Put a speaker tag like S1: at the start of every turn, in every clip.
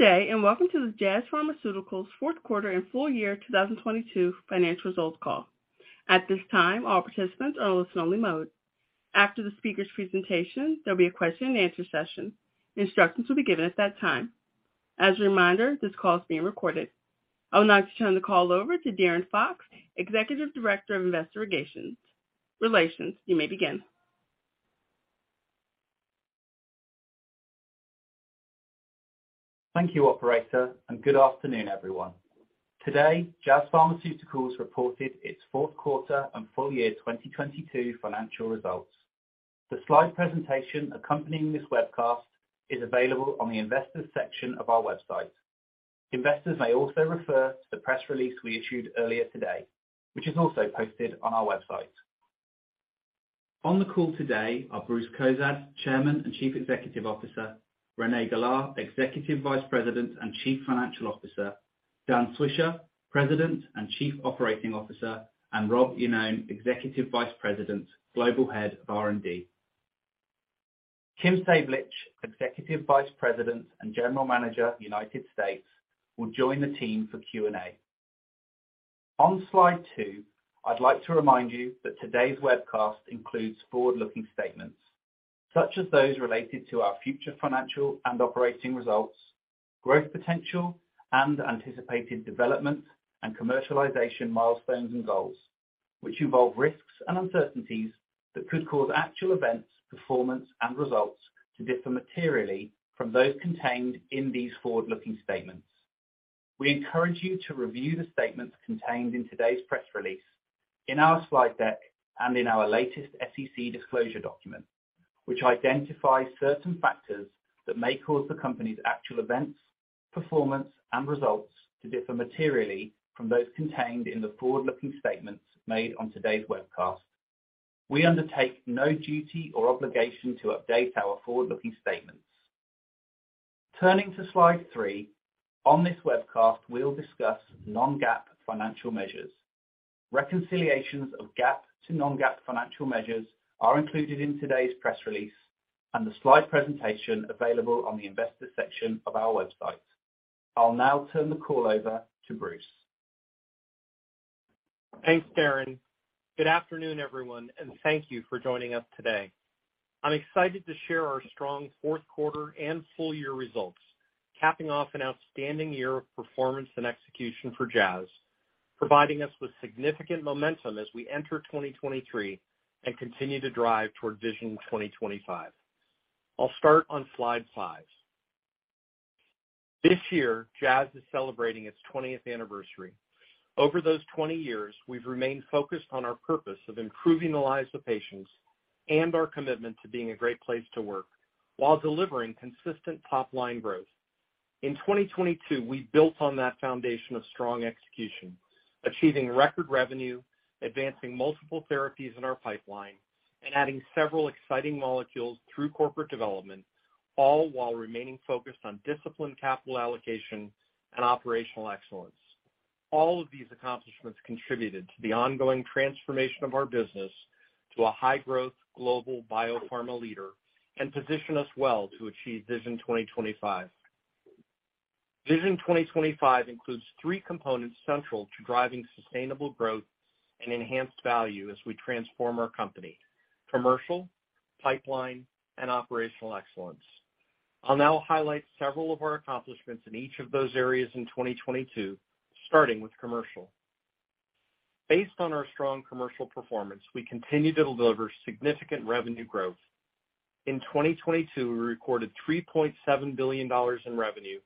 S1: Good day, welcome to Jazz Pharmaceuticals fourth quarter and full year 2022 financial results call. At this time, all participants are in listen only mode. After the speaker's presentation, there'll be a question and answer session. Instructions will be given at that time. As a reminder, this call is being recorded. I would now like to turn the call over to Darren Fox, Executive Director of Investor Relations. You may begin.
S2: Thank you, operator, and good afternoon, everyone. Today, Jazz Pharmaceuticals reported its fourth quarter and full year 2022 financial results. The slide presentation accompanying this webcast is available on the investors section of our website. Investors may also refer to the press release we issued earlier today, which is also posted on our website. On the call today are Bruce Cozadd, Chairman and Chief Executive Officer, Renée Galá, Executive Vice President and Chief Financial Officer, Dan Swisher, President and Chief Operating Officer, and Robert Iannone, Executive Vice President, Global Head of R&D. Kim Sablich, Executive Vice President and General Manager, United States, will join the team for Q&A. On slide two, I'd like to remind you that today's webcast includes forward-looking statements, such as those related to our future financial and operating results, growth potential, and anticipated development and commercialization milestones and goals, which involve risks and uncertainties that could cause actual events, performance and results to differ materially from those contained in these forward-looking statements. We encourage you to review the statements contained in today's press release, in our slide deck, and in our latest SEC disclosure document, which identifies certain factors that may cause the company's actual events, performance and results to differ materially from those contained in the forward-looking statements made on today's webcast. We undertake no duty or obligation to update our forward-looking statements. Turning to slide three. On this webcast, we'll discuss non-GAAP financial measures. Reconciliations of GAAP to non-GAAP financial measures are included in today's press release and the slide presentation available on the investors section of our website. I'll now turn the call over to Bruce.
S3: Thanks, Darren. Good afternoon, everyone, and thank you for joining us today. I'm excited to share our strong fourth quarter and full year results, capping off an outstanding year of performance and execution for Jazz, providing us with significant momentum as we enter 2023 and continue to drive toward Vision 2025. I'll start on slide five. This year, Jazz is celebrating its 20th anniversary. Over those 20 years, we've remained focused on our purpose of improving the lives of patients and our commitment to being a great place to work while delivering consistent top-line growth. In 2022, we built on that foundation of strong execution, achieving record revenue, advancing multiple therapies in our pipeline, and adding several exciting molecules through corporate development, all while remaining focused on disciplined capital allocation and operational excellence. All of these accomplishments contributed to the ongoing transformation of our business to a high-growth global biopharma leader and position us well to achieve Vision 2025. Vision 2025 includes three components central to driving sustainable growth and enhanced value as we transform our company, commercial, pipeline, and operational excellence. I'll now highlight several of our accomplishments in each of those areas in 2022, starting with commercial. Based on our strong commercial performance, we continue to deliver significant revenue growth. In 2022, we recorded $3.7 billion in revenue,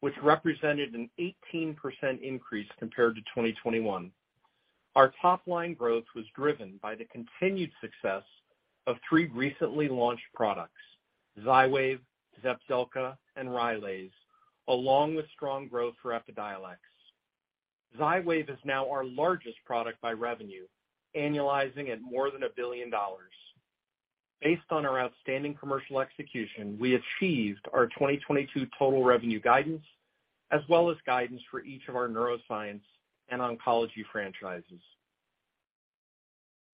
S3: which represented an 18% increase compared to 2021. Our top-line growth was driven by the continued success of three recently launched products, Xywav, Zepzelca, and Rylaze, along with strong growth for Epidiolex. Xywav is now our largest product by revenue, annualizing at more than $1 billion. Based on our outstanding commercial execution, we achieved our 2022 total revenue guidance as well as guidance for each of our neuroscience and oncology franchises.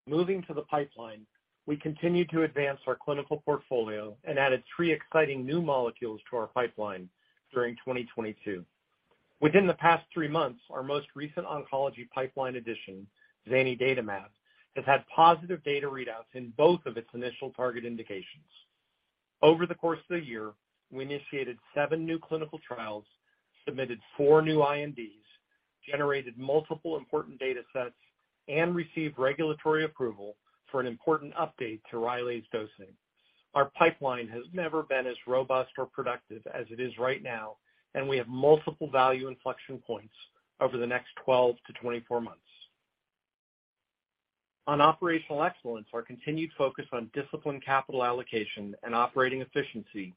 S3: Moving to the pipeline, we continued to advance our clinical portfolio and added three exciting new molecules to our pipeline during 2022. Within the past three months, our most recent oncology pipeline addition, zanidatamab, has had positive data readouts in both of its initial target indications. Over the course of the year, we initiated seven new clinical trials, submitted four new INDs, generated multiple important data sets, and received regulatory approval for an important update to Rylaze dosing. Our pipeline has never been as robust or productive as it is right now, and we have multiple value inflection points over the next 12 to 24 months. On operational excellence, our continued focus on disciplined capital allocation and operating efficiency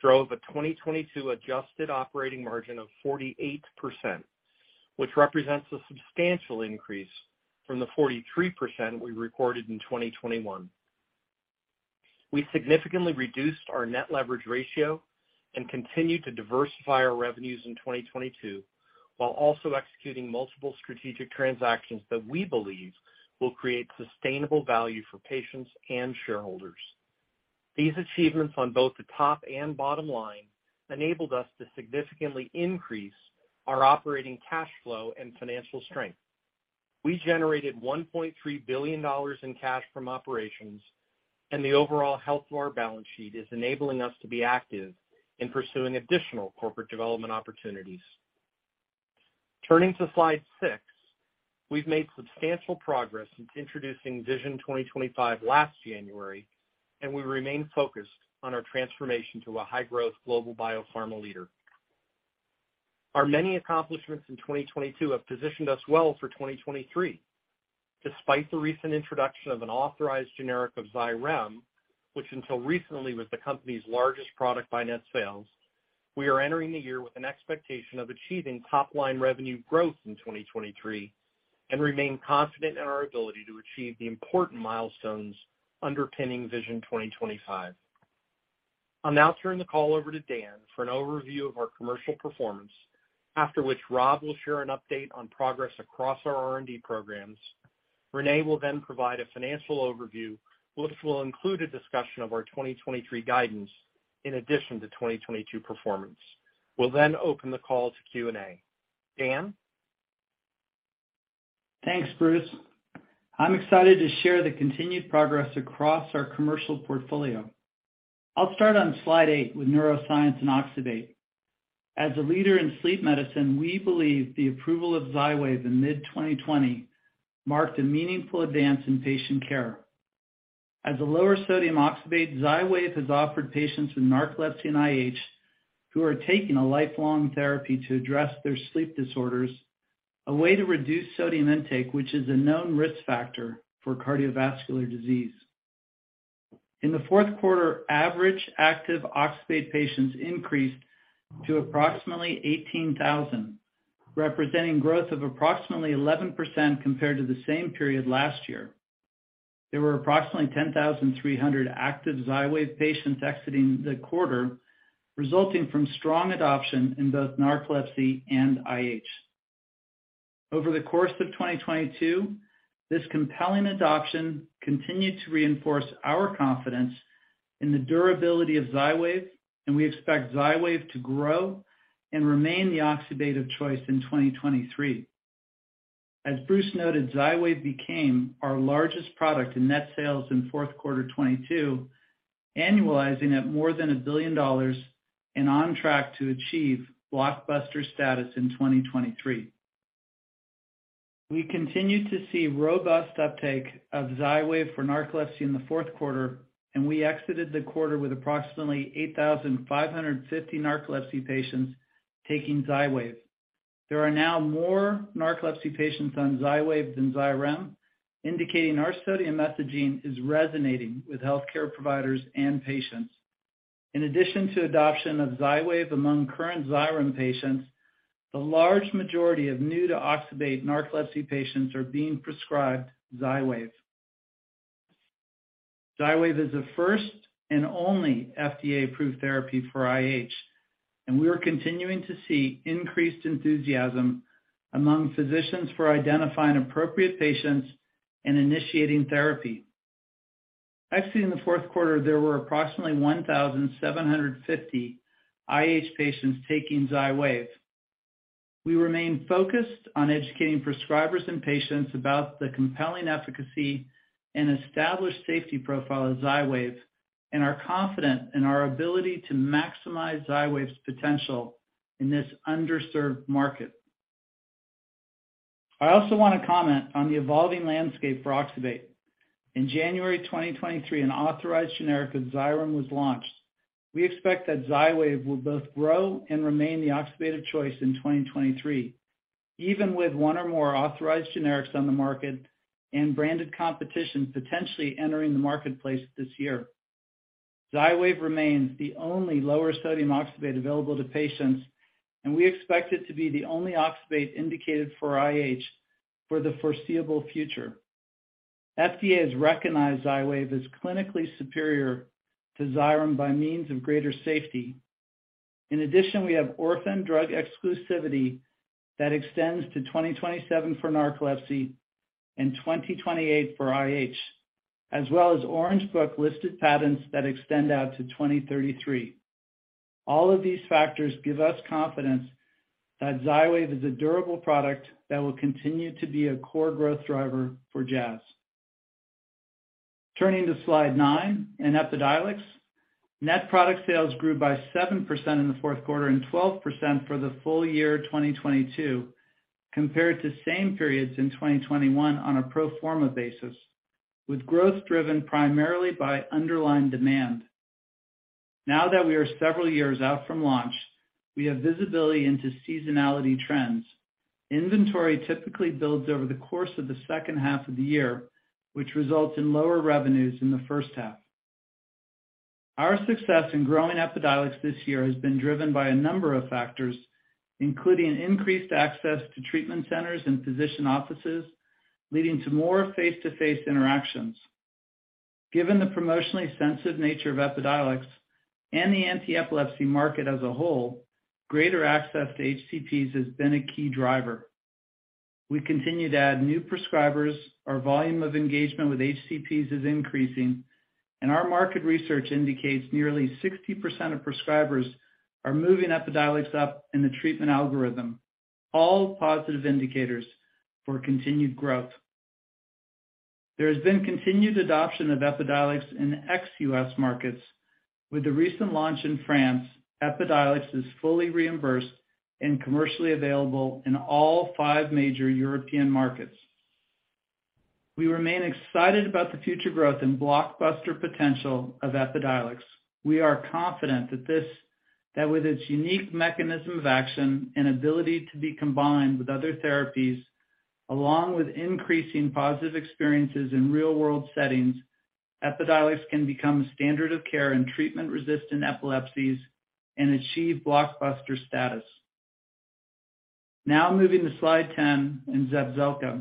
S3: drove a 2022 adjusted operating margin of 48%, which represents a substantial increase from the 43% we recorded in 2021. We significantly reduced our net leverage ratio and continued to diversify our revenues in 2022, while also executing multiple strategic transactions that we believe will create sustainable value for patients and shareholders. These achievements on both the top and bottom line enabled us to significantly increase our operating cash flow and financial strength. We generated $1.3 billion in cash from operations, the overall health of our balance sheet is enabling us to be active in pursuing additional corporate development opportunities. Turning to slide six, we've made substantial progress since introducing Vision 2025 last January, we remain focused on our transformation to a high-growth global biopharma leader. Our many accomplishments in 2022 have positioned us well for 2023. Despite the recent introduction of an authorized generic of Xyrem, which until recently was the company's largest product by net sales, we are entering the year with an expectation of achieving top-line revenue growth in 2023 and remain confident in our ability to achieve the important milestones underpinning Vision 2025. I'll now turn the call over to Dan for an overview of our commercial performance. After which Rob will share an update on progress across our R&D programs. Renée will provide a financial overview, which will include a discussion of our 2023 guidance in addition to 2022 performance. We'll open the call to Q&A. Dan?
S4: Thanks, Bruce. I'm excited to share the continued progress across our commercial portfolio. I'll start on slide 8 with neuroscience and oxybate. As a leader in sleep medicine, we believe the approval of Xywav in mid-2020 marked a meaningful advance in patient care. As a lower sodium oxybate, Xywav has offered patients with narcolepsy and IH who are taking a lifelong therapy to address their sleep disorders, a way to reduce sodium intake, which is a known risk factor for cardiovascular disease. In the fourth quarter, average active oxybate patients increased to approximately 18,000, representing growth of approximately 11% compared to the same period last year. There were approximately 10,300 active Xywav patients exiting the quarter, resulting from strong adoption in both narcolepsy and IH. Over the course of 2022, this compelling adoption continued to reinforce our confidence in the durability of Xywav, and we expect Xywav to grow and remain the oxybate of choice in 2023. As Bruce noted, Xywav became our largest product in net sales in fourth quarter 2022, annualizing at more than $1 billion and on track to achieve blockbuster status in 2023. We continued to see robust uptake of Xywav for narcolepsy in the fourth quarter, and we exited the quarter with approximately 8,550 narcolepsy patients taking Xywav. There are now more narcolepsy patients on Xywav than Xyrem, indicating our sodium messaging is resonating with healthcare providers and patients. In addition to adoption of Xywav among current Xyrem patients, the large majority of new to oxybate narcolepsy patients are being prescribed Xywav. Xywav is the first and only FDA-approved therapy for IH, and we are continuing to see increased enthusiasm among physicians for identifying appropriate patients and initiating therapy. Exiting the fourth quarter, there were approximately 1,750 IH patients taking Xywav. We remain focused on educating prescribers and patients about the compelling efficacy and established safety profile of Xywav, and are confident in our ability to maximize Xywav's potential in this underserved market. I also wanna comment on the evolving landscape for oxybate. In January 2023, an authorized generic of Xyrem was launched. We expect that Xywav will both grow and remain the oxybate of choice in 2023, even with one or more authorized generics on the market and branded competition potentially entering the marketplace this year. Xywav remains the only lower sodium oxybate available to patients. We expect it to be the only oxybate indicated for IH for the foreseeable future. FDA has recognized Xywav as clinically superior to Xyrem by means of greater safety. We have orphan drug exclusivity that extends to 2027 for narcolepsy and 2028 for IH, as well as Orange Book listed patents that extend out to 2033. All of these factors give us confidence that Xywav is a durable product that will continue to be a core growth driver for Jazz. Turning to slide nine, in Epidiolex, net product sales grew by 7% in the fourth quarter and 12% for the full year 2022 compared to same periods in 2021 on a pro forma basis, with growth driven primarily by underlying demand. Now that we are several years out from launch, we have visibility into seasonality trends. Inventory typically builds over the course of the second half of the year, which results in lower revenues in the first half. Our success in growing Epidiolex this year has been driven by a number of factors, including increased access to treatment centers and physician offices, leading to more face-to-face interactions. Given the promotionally sensitive nature of Epidiolex and the anti-epilepsy market as a whole, greater access to HCPs has been a key driver. We continue to add new prescribers. Our volume of engagement with HCPs is increasing, and our market research indicates nearly 60% of prescribers are moving Epidiolex up in the treatment algorithm, all positive indicators for continued growth. There has been continued adoption of Epidiolex in ex-US markets. With the recent launch in France, Epidiolex is fully reimbursed and commercially available in all five major European markets. We remain excited about the future growth and blockbuster potential of Epidiolex. We are confident that with its unique mechanism of action and ability to be combined with other therapies, along with increasing positive experiences in real-world settings, Epidiolex can become a standard of care in treatment-resistant epilepsies and achieve blockbuster status. Now moving to slide 10 in Zepzelca.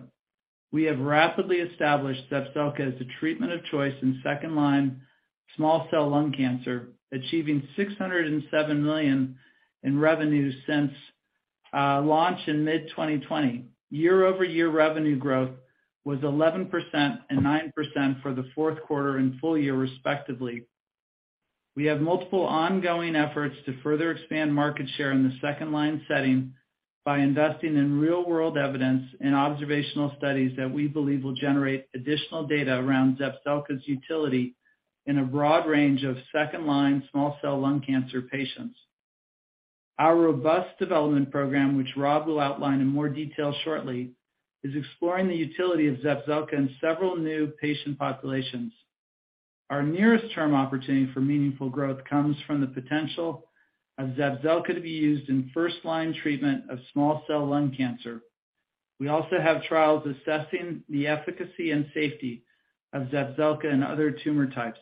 S4: We have rapidly established Zepzelca as the treatment of choice in second-line small cell lung cancer, achieving $607 million in revenue since launch in mid-2020. Year-over-year revenue growth was 11% and 9% for the fourth quarter and full year respectively. We have multiple ongoing efforts to further expand market share in the second-line setting by investing in real-world evidence and observational studies that we believe will generate additional data around Zepzelca's utility in a broad range of second-line small cell lung cancer patients. Our robust development program, which Rob will outline in more detail shortly, is exploring the utility of Zepzelca in several new patient populations. Our nearest term opportunity for meaningful growth comes from the potential of Zepzelca to be used in first-line treatment of small cell lung cancer. We also have trials assessing the efficacy and safety of Zepzelca in other tumor types.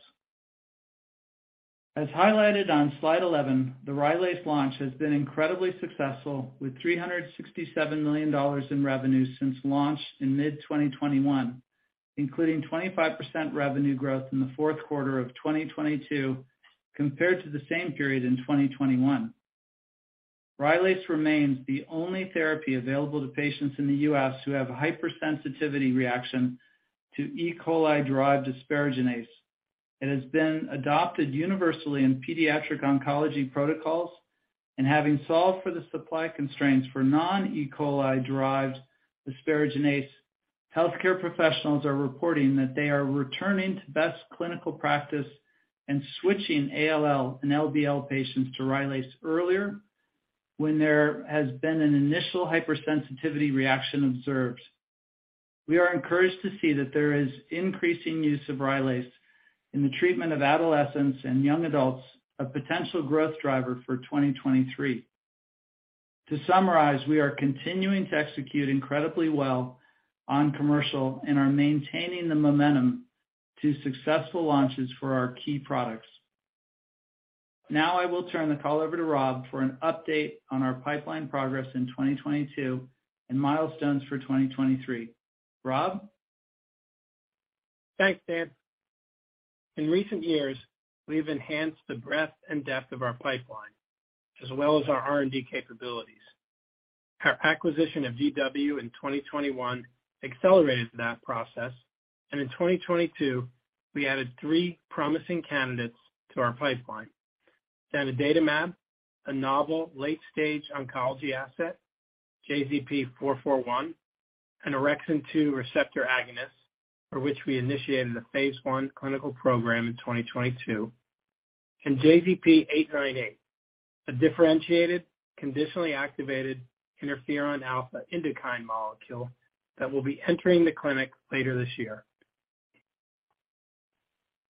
S4: As highlighted on slide 11, the Rylaze launch has been incredibly successful with $367 million in revenue since launch in mid-2021, including 25% revenue growth in the fourth quarter of 2022 compared to the same period in 2021. Rylaze remains the only therapy available to patients in the U.S. who have a hypersensitivity reaction to E. coli-derived asparaginase. It has been adopted universally in pediatric oncology protocols and having solved for the supply constraints for non-E. coli-derived asparaginase, healthcare professionals are reporting that they are returning to best clinical practice and switching ALL and LBL patients to Rylaze earlier when there has been an initial hypersensitivity reaction observed. We are encouraged to see that there is increasing use of Rylaze in the treatment of adolescents and young adults, a potential growth driver for 2023. To summarize, we are continuing to execute incredibly well on commercial and are maintaining the momentum to successful launches for our key products. I will turn the call over to Rob for an update on our pipeline progress in 2022 and milestones for 2023. Rob?
S5: Thanks, Dan. In recent years, we've enhanced the breadth and depth of our pipeline, as well as our R&D capabilities. Our acquisition of GW in 2021 accelerated that process. In 2022, we added three promising candidates to our pipeline. zanidatamab, a novel late-stage oncology asset, JZP441, an orexin-2 receptor agonist, for which we initiated a phase I clinical program in 2022, and JZP898, a differentiated, conditionally activated interferon alpha INDUKINE molecule that will be entering the clinic later this year.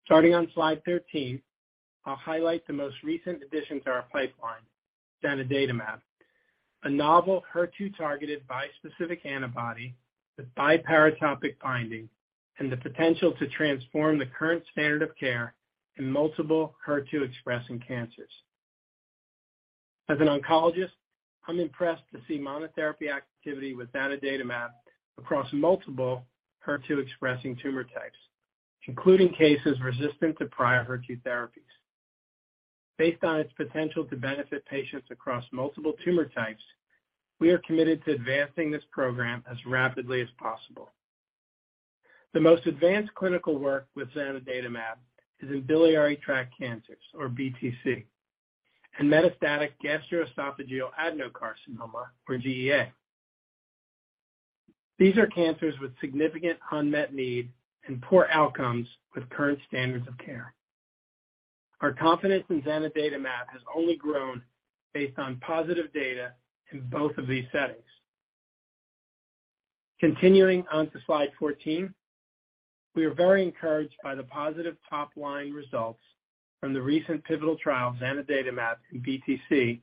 S5: Starting on slide 13, I'll highlight the most recent addition to our pipeline, zanidatamab, a novel HER2-targeted bispecific antibody with biparatopic binding and the potential to transform the current standard of care in multiple HER2-expressing cancers. As an oncologist, I'm impressed to see monotherapy activity with zanidatamab across multiple HER2-expressing tumor types, including cases resistant to prior HER2 therapies. Based on its potential to benefit patients across multiple tumor types, we are committed to advancing this program as rapidly as possible. The most advanced clinical work with zanidatamab is in biliary tract cancers, or BTC, and metastatic gastroesophageal adenocarcinoma, or GEA. These are cancers with significant unmet need and poor outcomes with current standards of care. Our confidence in zanidatamab has only grown based on positive data in both of these settings. Continuing on to slide 14. We are very encouraged by the positive top-line results from the recent pivotal trial of zanidatamab in BTC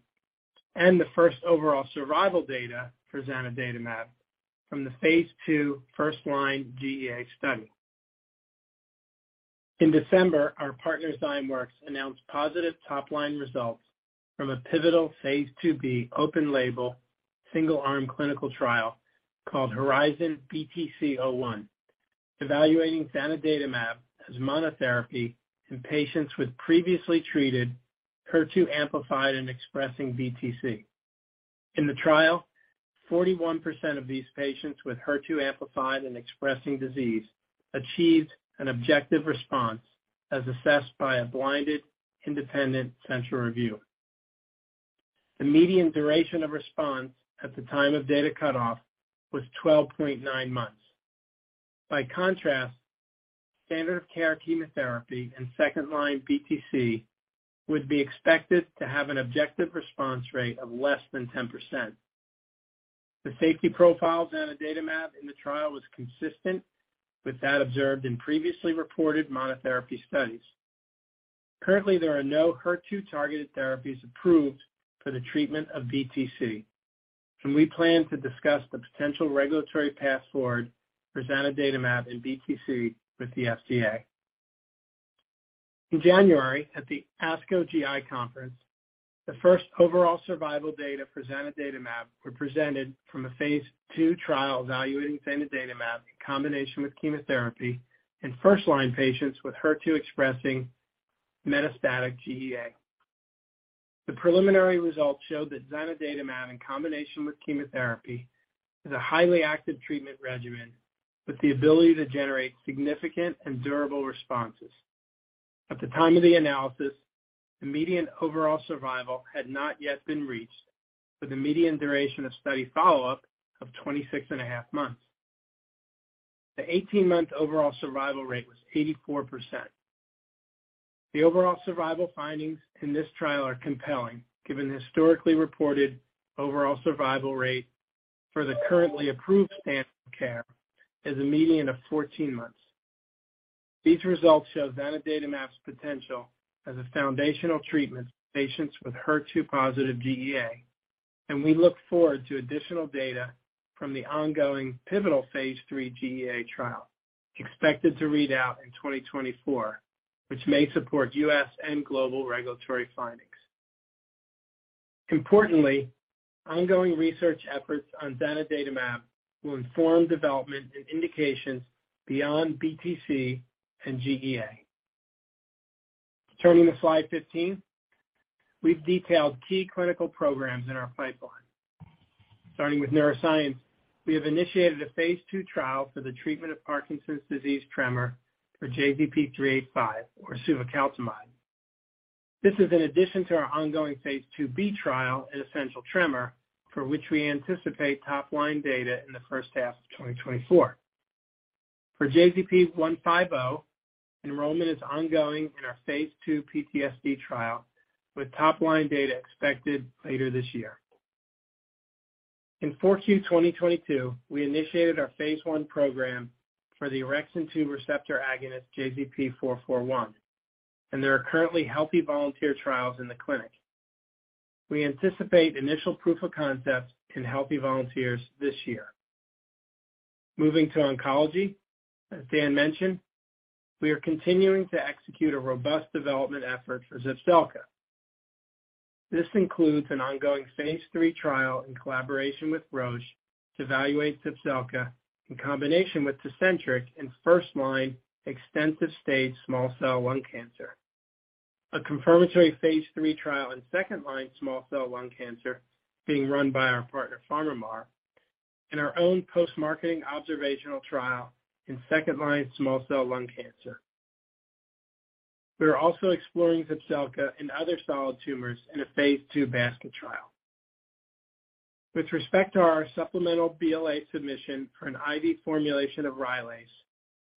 S5: and the first overall survival data for zanidatamab from the phase II first-line GEA study. In December, our partner, Zymeworks, announced positive top-line results from a pivotal phase IIb open label single-arm clinical trial called HERIZON-BTC-01. Evaluating zanidatamab as monotherapy in patients with previously treated HER2-amplified and expressing BTC. In the trial, 41% of these patients with HER2-amplified and expressing disease achieved an objective response as assessed by a blinded independent central review. The median duration of response at the time of data cutoff was 12.9 months. By contrast, standard of care chemotherapy in second-line BTC would be expected to have an objective response rate of less than 10%. The safety profile of zanidatamab in the trial was consistent with that observed in previously reported monotherapy studies. Currently, there are no HER2-targeted therapies approved for the treatment of BTC, and we plan to discuss the potential regulatory path forward for zanidatamab in BTC with the FDA. In January, at the ASCO GI Conference, the first overall survival data for zanidatamab were presented from a phase I trial evaluating zanidatamab in combination with chemotherapy in first-line patients with HER2-expressing metastatic GEA. The preliminary results showed that zanidatamab in combination with chemotherapy is a highly active treatment regimen with the ability to generate significant and durable responses. At the time of the analysis, the median overall survival had not yet been reached, with a median duration of study follow-up of 26.5 months. The 18-month overall survival rate was 84%. The overall survival findings in this trial are compelling, given the historically reported overall survival rate for the currently approved standard of care is a median of 14 months. These results show zanidatamab's potential as a foundational treatment for patients with HER2-positive GEA, and we look forward to additional data from the ongoing pivotal phase III GEA trial expected to read out in 2024, which may support U.S. and global regulatory findings. Importantly, ongoing research efforts on zanidatamab will inform development and indications beyond BTC and GEA. Turning to slide 15, we've detailed key clinical programs in our pipeline. Starting with neuroscience, we have initiated a phase I trial for the treatment of Parkinson's disease tremor for JZP385 or suvecaltamide. This is in addition to our ongoing phase IIb trial in essential tremor, for which we anticipate top-line data in the first half of 2024. For JZP150, enrollment is ongoing in our phase II PTSD trial, with top-line data expected later this year. In four Q 2022, we initiated our phase I program for the orexin-2 receptor agonist JZP441. There are currently healthy volunteer trials in the clinic. We anticipate initial proof of concepts in healthy volunteers this year. Moving to oncology, as Dan mentioned, we are continuing to execute a robust development effort for Zepzelca. This includes an ongoing phase III trial in collaboration with Roche to evaluate Zepzelca in combination with TECENTRIQ in first-line extensive stage small cell lung cancer. A confirmatory phase III trial in second line small cell lung cancer being run by our partner, PharmaMar, and our own post-marketing observational trial in second line small cell lung cancer. We are also exploring Zepzelca in other solid tumors in a phase I basket trial. With respect to our supplemental BLA submission for an IV formulation of Rylaze,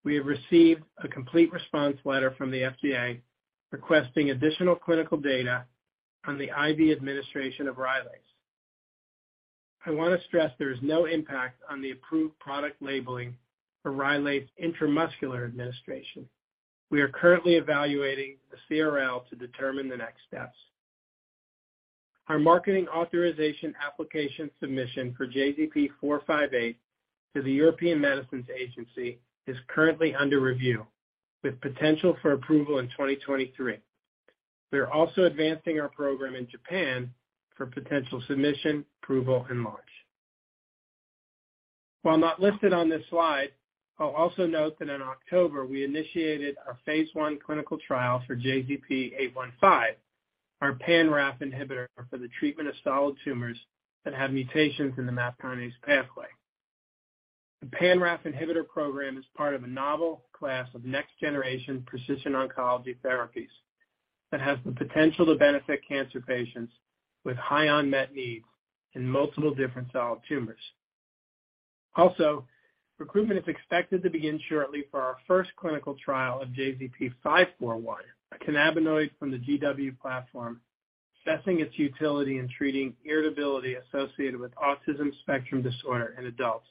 S5: we have received a complete response letter from the FDA requesting additional clinical data on the IV administration of Rylaze. I want to stress there is no impact on the approved product labeling for Rylaze's intramuscular administration. We are currently evaluating the CRL to determine the next steps. Our marketing authorization application submission for JZP-458 to the European Medicines Agency is currently under review, with potential for approval in 2023. We are also advancing our program in Japan for potential submission, approval, and launch. While not listed on this slide, I'll also note that in October, we initiated our phase I clinical trial for JZP815, our pan-RAF inhibitor for the treatment of solid tumors that have mutations in the MAPK pathway. The pan-RAF inhibitor program is part of a novel class of next-generation precision oncology therapies that has the potential to benefit cancer patients with high unmet needs in multiple different solid tumors. Also, recruitment is expected to begin shortly for our first clinical trial of JZP541, a cannabinoid from the GW platform, assessing its utility in treating irritability associated with autism spectrum disorder in adults.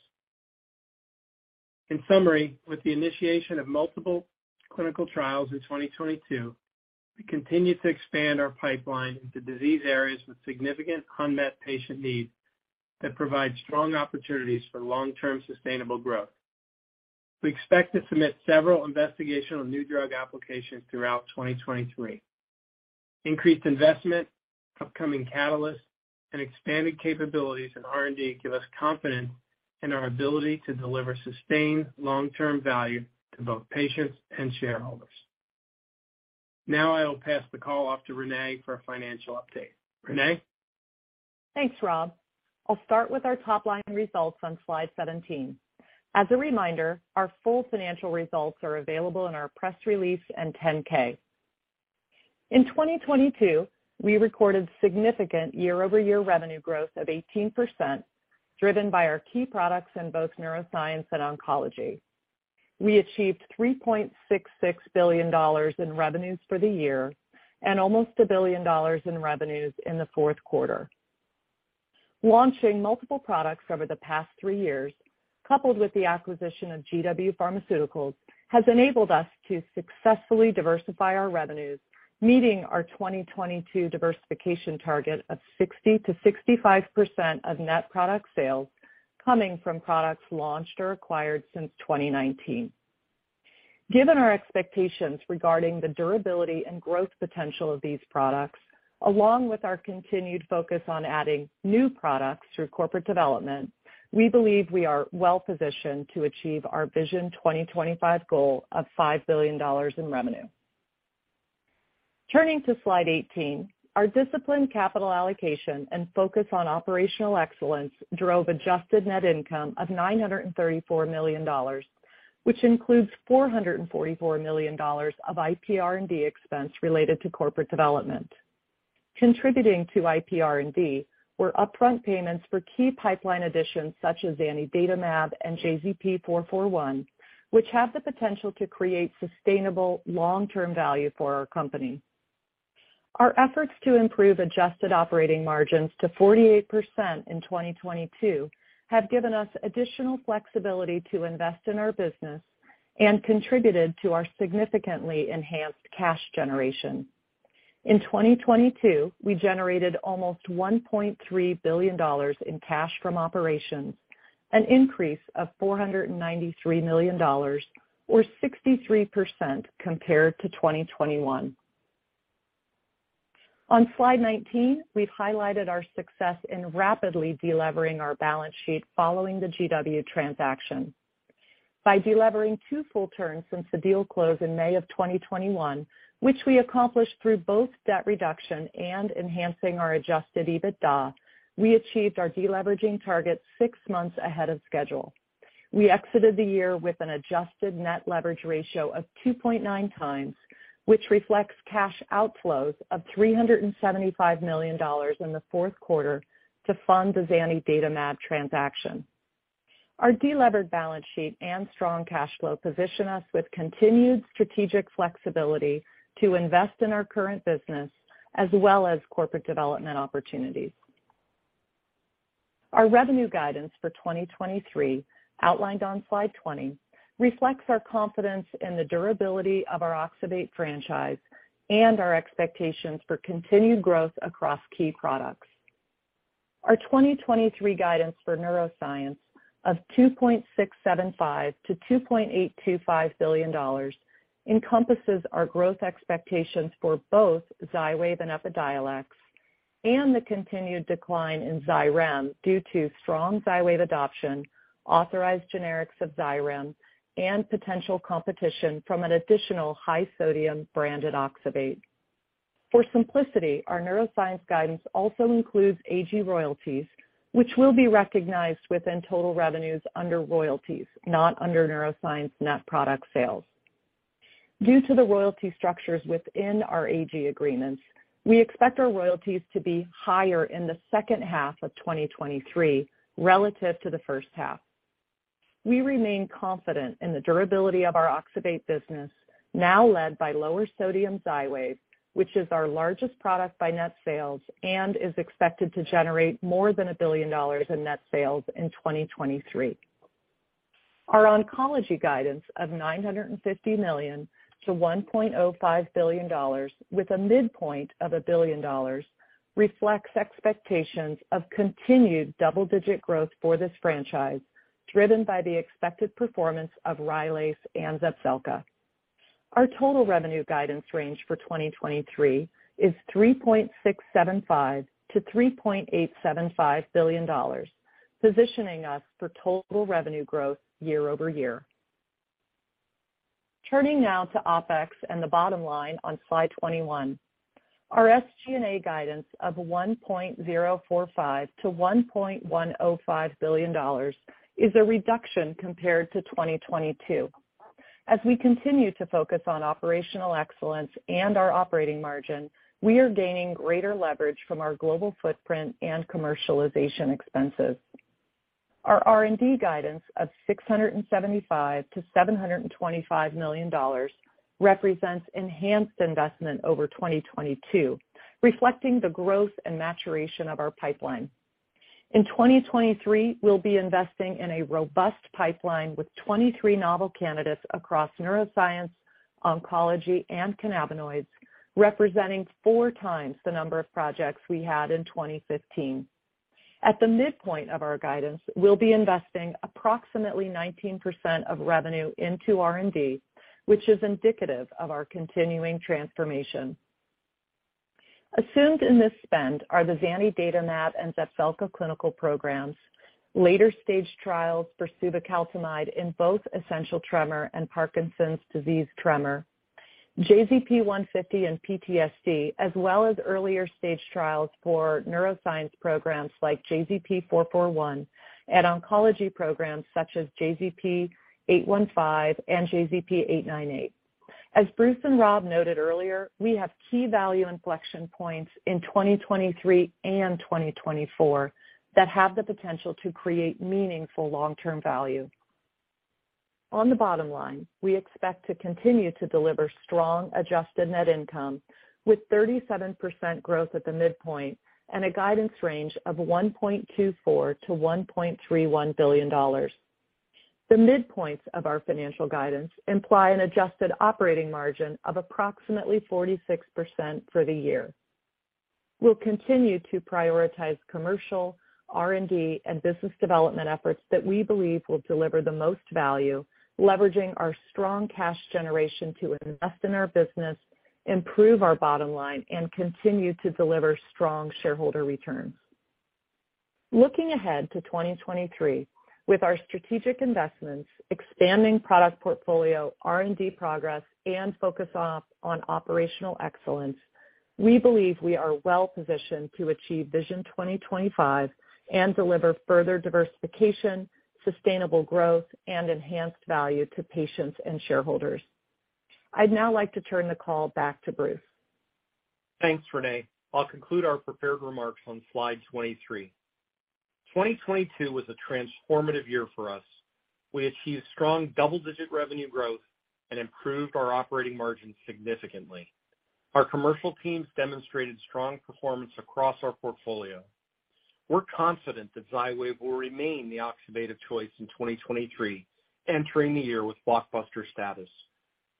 S5: In summary, with the initiation of multiple clinical trials in 2022, we continue to expand our pipeline into disease areas with significant unmet patient needs that provide strong opportunities for long-term sustainable growth. We expect to submit several investigational new drug applications throughout 2023. Increased investment, upcoming catalysts, and expanded capabilities in R&D give us confidence in our ability to deliver sustained long-term value to both patients and shareholders. I will pass the call off to Renée for a financial update. Renée?
S6: Thanks, Rob. I'll start with our top-line results on slide 17. As a reminder, our full financial results are available in our press release and 10-K. In 2022, we recorded significant year-over-year revenue growth of 18%, driven by our key products in both neuroscience and oncology. We achieved $3.66 billion in revenues for the year and almost $1 billion in revenues in the fourth quarter. Launching multiple products over the past three years, coupled with the acquisition of GW Pharmaceuticals, has enabled us to successfully diversify our revenues, meeting our 2022 diversification target of 60%-65% of net product sales coming from products launched or acquired since 2019. Given our expectations regarding the durability and growth potential of these products, along with our continued focus on adding new products through corporate development, we believe we are well-positioned to achieve our Vision 2025 goal of $5 billion in revenue. Turning to slide 18, our disciplined capital allocation and focus on operational excellence drove adjusted net income of $934 million, which includes $444 million of IPR&D expense related to corporate development. Contributing to IPR&D were upfront payments for key pipeline additions such as zanidatamab and JZP441, which have the potential to create sustainable long-term value for our company. Our efforts to improve adjusted operating margins to 48% in 2022 have given us additional flexibility to invest in our business and contributed to our significantly enhanced cash generation. In 2022, we generated almost $1.3 billion in cash from operations, an increase of $493 million or 63% compared to 2021. On slide 19, we've highlighted our success in rapidly delevering our balance sheet following the GW transaction. By delevering two full turns since the deal closed in May of 2021, which we accomplished through both debt reduction and enhancing our adjusted EBITDA, we achieved our deleveraging target 6 months ahead of schedule. We exited the year with an adjusted net leverage ratio of 2.9x, which reflects cash outflows of $375 million in the fourth quarter to fund the zanidatamab transaction. Our delevered balance sheet and strong cash flow position us with continued strategic flexibility to invest in our current business as well as corporate development opportunities. Our revenue guidance for 2023, outlined on slide 20, reflects our confidence in the durability of our oxybate franchise and our expectations for continued growth across key products. Our 2023 guidance for neuroscience of $2.675 billion-$2.825 billion encompasses our growth expectations for both Xywav and Epidiolex and the continued decline in Xyrem due to strong Xywav adoption, authorized generics of Xyrem, and potential competition from an additional high-sodium branded oxybate. For simplicity, our neuroscience guidance also includes AG royalties, which will be recognized within total revenues under royalties, not under neuroscience net product sales. Due to the royalty structures within our AG agreements, we expect our royalties to be higher in the second half of 2023 relative to the first half. We remain confident in the durability of our oxybate business, now led by lower sodium Xywav, which is our largest product by net sales and is expected to generate more than $1 billion in net sales in 2023. Our oncology guidance of $950 million-$1.05 billion with a midpoint of $1 billion reflects expectations of continued double-digit growth for this franchise, driven by the expected performance of Rylaze and Zepzelca. Our total revenue guidance range for 2023 is $3.675 billion-$3.875 billion, positioning us for total revenue growth year-over-year. Turning now to OpEx and the bottom line on slide 21. Our SG&A guidance of $1.045 billion-$1.105 billion is a reduction compared to 2022. As we continue to focus on operational excellence and our operating margin, we are gaining greater leverage from our global footprint and commercialization expenses. Our R&D guidance of $675 million-$725 million represents enhanced investment over 2022, reflecting the growth and maturation of our pipeline. In 2023, we'll be investing in a robust pipeline with 23 novel candidates across neuroscience, oncology, and cannabinoids, representing 4 times the number of projects we had in 2015. At the midpoint of our guidance, we'll be investing approximately 19% of revenue into R&D, which is indicative of our continuing transformation. Assumed in this spend are the zanidatamab and Zepzelca clinical programs, later stage trials for suvecaltamide in both essential tremor and Parkinson's disease tremor, JZP150 in PTSD, as well as earlier stage trials for neuroscience programs like JZP441 and oncology programs such as JZP815 and JZP898. As Bruce and Rob noted earlier, we have key value inflection points in 2023 and 2024 that have the potential to create meaningful long-term value. On the bottom line, we expect to continue to deliver strong adjusted net income with 37% growth at the midpoint and a guidance range of $1.24 billion-$1.31 billion. The midpoints of our financial guidance imply an adjusted operating margin of approximately 46% for the year. We'll continue to prioritize commercial, R&D, and business development efforts that we believe will deliver the most value, leveraging our strong cash generation to invest in our business, improve our bottom line, and continue to deliver strong shareholder returns. Looking ahead to 2023, with our strategic investments, expanding product portfolio, R&D progress, and focus on operational excellence, we believe we are well-positioned to achieve Vision 2025 and deliver further diversification, sustainable growth, and enhanced value to patients and shareholders. I'd now like to turn the call back to Bruce.
S3: Thanks, Renée. I'll conclude our prepared remarks on slide 23. 2022 was a transformative year for us. We achieved strong double-digit revenue growth and improved our operating margin significantly. Our commercial teams demonstrated strong performance across our portfolio. We're confident that Xywav will remain the oxybate of choice in 2023, entering the year with blockbuster status.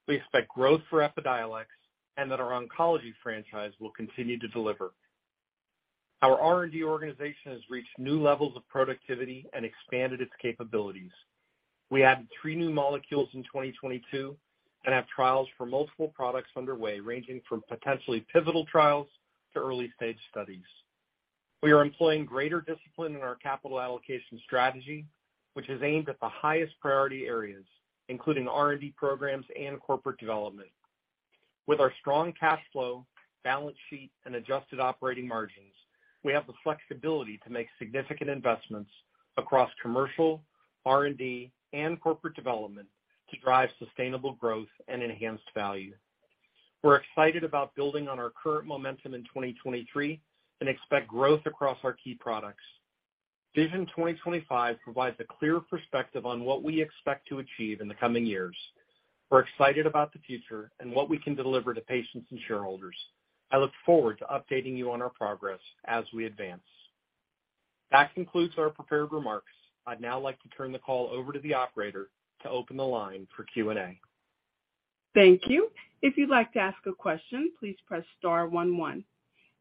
S3: We expect growth for Epidiolex and that our oncology franchise will continue to deliver. Our R&D organization has reached new levels of productivity and expanded its capabilities. We added three new molecules in 2022 and have trials for multiple products underway, ranging from potentially pivotal trials to early-stage studies. We are employing greater discipline in our capital allocation strategy, which is aimed at the highest priority areas, including R&D programs and corporate development. With our strong cash flow, balance sheet, and adjusted operating margins, we have the flexibility to make significant investments across commercial, R&D, and corporate development to drive sustainable growth and enhanced value. We're excited about building on our current momentum in 2023 and expect growth across our key products. Vision 2025 provides a clear perspective on what we expect to achieve in the coming years. We're excited about the future and what we can deliver to patients and shareholders. I look forward to updating you on our progress as we advance. That concludes our prepared remarks. I'd now like to turn the call over to the operator to open the line for Q&A.
S1: Thank you. If you'd like to ask a question, please press star one one.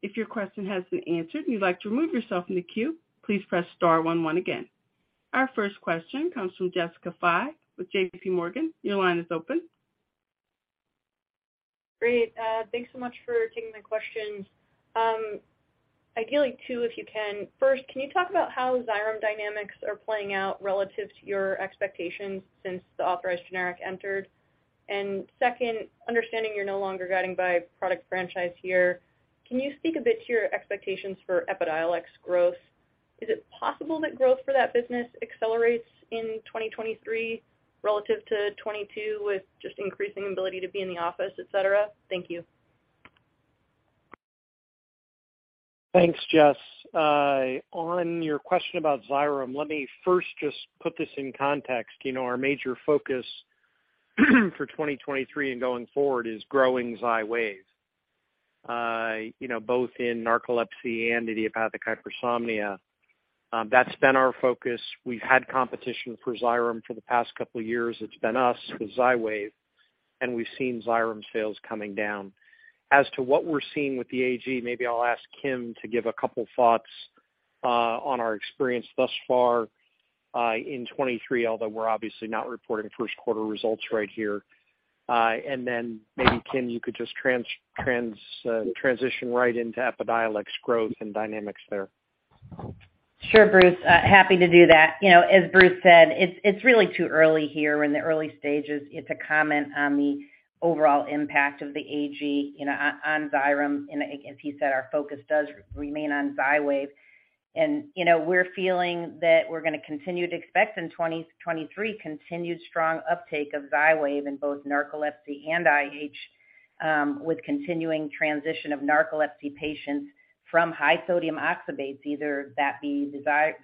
S1: If your question has been answered and you'd like to remove yourself from the queue, please press star one one again. Our first question comes from Jessica Fye with JPMorgan. Your line is open.
S7: Great. Thanks so much for taking the questions. Ideally two, if you can. First, can you talk about how Xyrem dynamics are playing out relative to your expectations since the authorized generic entered? Second, understanding you're no longer guiding by product franchise here, can you speak a bit to your expectations for Epidiolex growth? Is it possible that growth for that business accelerates in 2023 relative to 2022 with just increasing ability to be in the office, et cetera? Thank you.
S3: Thanks, Jess. On your question about Xyrem, let me first just put this in context. You know, our major focus for 2023 and going forward is growing Xywav. You know, both in narcolepsy and idiopathic hypersomnia. That's been our focus. We've had competition for Xyrem for the past couple years. It's been us with Xywav, and we've seen Xyrem sales coming down. As to what we're seeing with the AG, maybe I'll ask Kim to give a couple thoughts on our experience thus far in 23, although we're obviously not reporting first quarter results right here. Maybe Kim, you could just transition right into Epidiolex growth and dynamics there.
S8: Sure, Bruce. Happy to do that. You know, as Bruce said, it's really too early here. We're in the early stages. It's a comment on the overall impact of the AG, you know, on Xyrem. As he said, our focus does remain on Xywav. You know, we're feeling that we're gonna continue to expect in 2023 continued strong uptake of Xywav in both narcolepsy and IH, with continuing transition of narcolepsy patients from high sodium oxybates, either that be the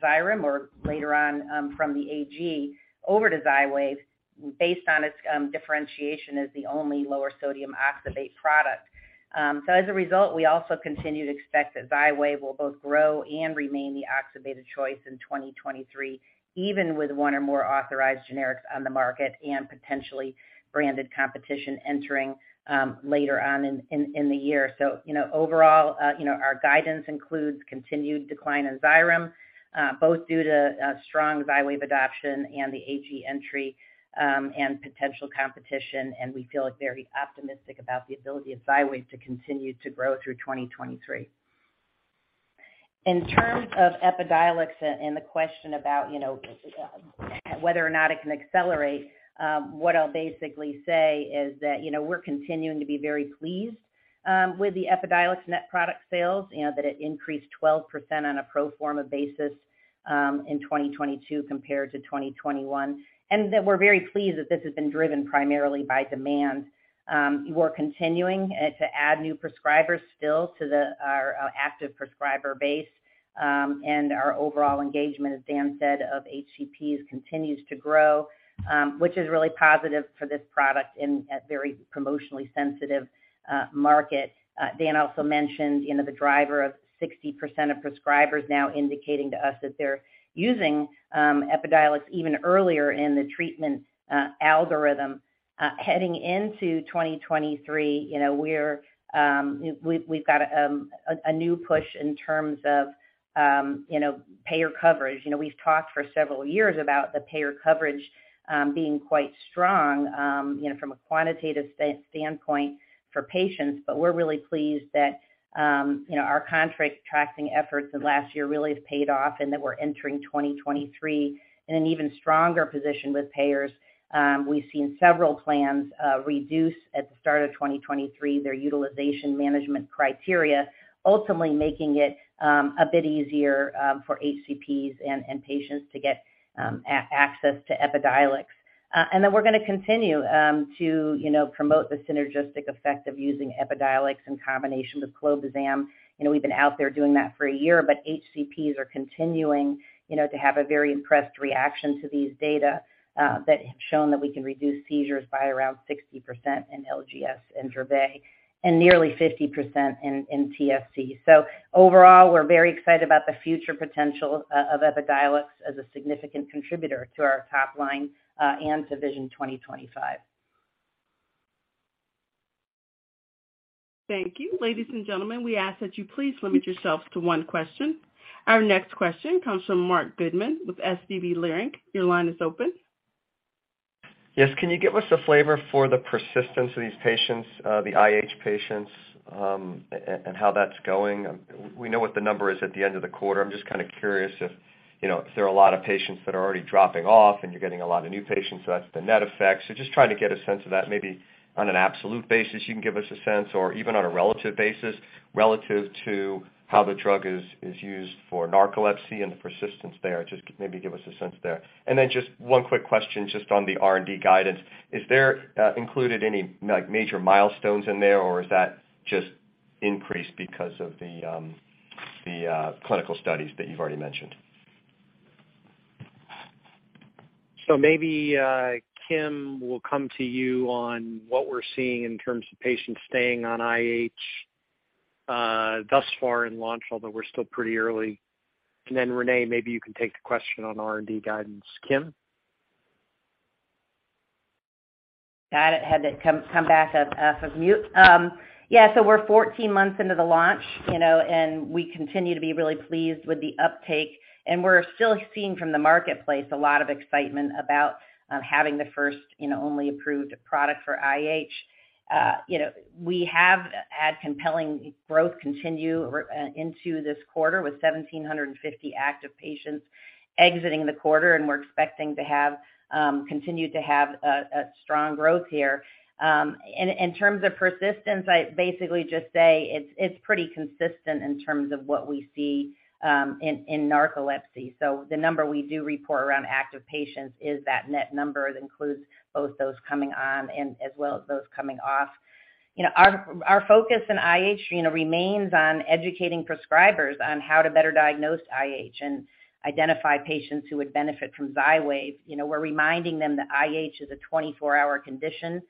S8: Xyrem or later on, from the AG over to Xywav based on its differentiation as the only lower sodium oxybate product. As a result, we also continue to expect that Xywav will both grow and remain the oxybate choice in 2023, even with one or more authorized generics on the market and potentially branded competition entering later on in the year. You know, overall, you know, our guidance includes continued decline in Xyrem, both due to strong Xywav adoption and the AG entry and potential competition. We feel very optimistic about the ability of Xywav to continue to grow through 2023. In terms of Epidiolex and the question about whether or not it can accelerate, what I'll basically say is that we're continuing to be very pleased with the Epidiolex net product sales that it increased 12% on a pro forma basis in 2022 compared to 2021, and that we're very pleased that this has been driven primarily by demand. We're continuing to add new prescribers still to our active prescriber base. Our overall engagement, as Dan said, of HCPs continues to grow, which is really positive for this product in a very promotionally sensitive market. Dan also mentioned the driver of 60% of prescribers now indicating to us that they're using Epidiolex even earlier in the treatment algorithm. Heading into 2023, you know, we're, we've got, a new push in terms of, you know, payer coverage. You know, we've talked for several years about the payer coverage, being quite strong, you know, from a quantitative standpoint for patients. We're really pleased that, you know, our contract tracking efforts in last year really has paid off and that we're entering 2023 in an even stronger position with payers. We've seen several plans, reduce at the start of 2023, their utilization management criteria, ultimately making it, a bit easier, for HCPs and, patients to get, access to Epidiolex. Then we're gonna continue, to, you know, promote the synergistic effect of using Epidiolex in combination with clobazam. You know, we've been out there doing that for a year, but HCPs are continuing, you know, to have a very impressed reaction to these data that have shown that we can reduce seizures by around 60% in LGS and Dravet, and nearly 50% in TSC. Overall, we're very excited about the future potential of Epidiolex as a significant contributor to our top line and to Vision 2025.
S1: Thank you. Ladies and gentlemen, we ask that you please limit yourselves to one question. Our next question comes from Marc Goodman with SVB Leerink. Your line is open.
S9: Yes. Can you give us a flavor for the persistence of these patients, the IH patients, and how that's going? We know what the number is at the end of the quarter. I'm just kind of curious if, you know, if there are a lot of patients that are already dropping off and you're getting a lot of new patients, so that's the net effect. Just trying to get a sense of that. Maybe on an absolute basis, you can give us a sense or even on a relative basis, relative to how the drug is used for narcolepsy and the persistence there. Just maybe give us a sense there. Then just one quick question just on the R&D guidance. Is there included any, like, major milestones in there, or is that just increased because of the clinical studies that you've already mentioned?
S3: Maybe, Kim, we'll come to you on what we're seeing in terms of patients staying on IH, thus far in launch, although we're still pretty early. Renée, maybe you can take the question on R&D guidance. Kim?
S8: Got it. Had to come back off of mute. Yeah, so we're 14 months into the launch, you know, we continue to be really pleased with the uptake. We're still seeing from the marketplace a lot of excitement about having the first and only approved product for IH. You know, we have had compelling growth continue into this quarter with 1,750 active patients exiting the quarter, and we're expecting to have continue to have a strong growth here. In terms of persistence, I basically just say it's pretty consistent in terms of what we see in narcolepsy. The number we do report around active patients is that net number that includes both those coming on and as well as those coming off. You know, our focus in IH, you know, remains on educating prescribers on how to better diagnose IH and identify patients who would benefit from Xywav. You know, we're reminding them that IH is a 24-hour condition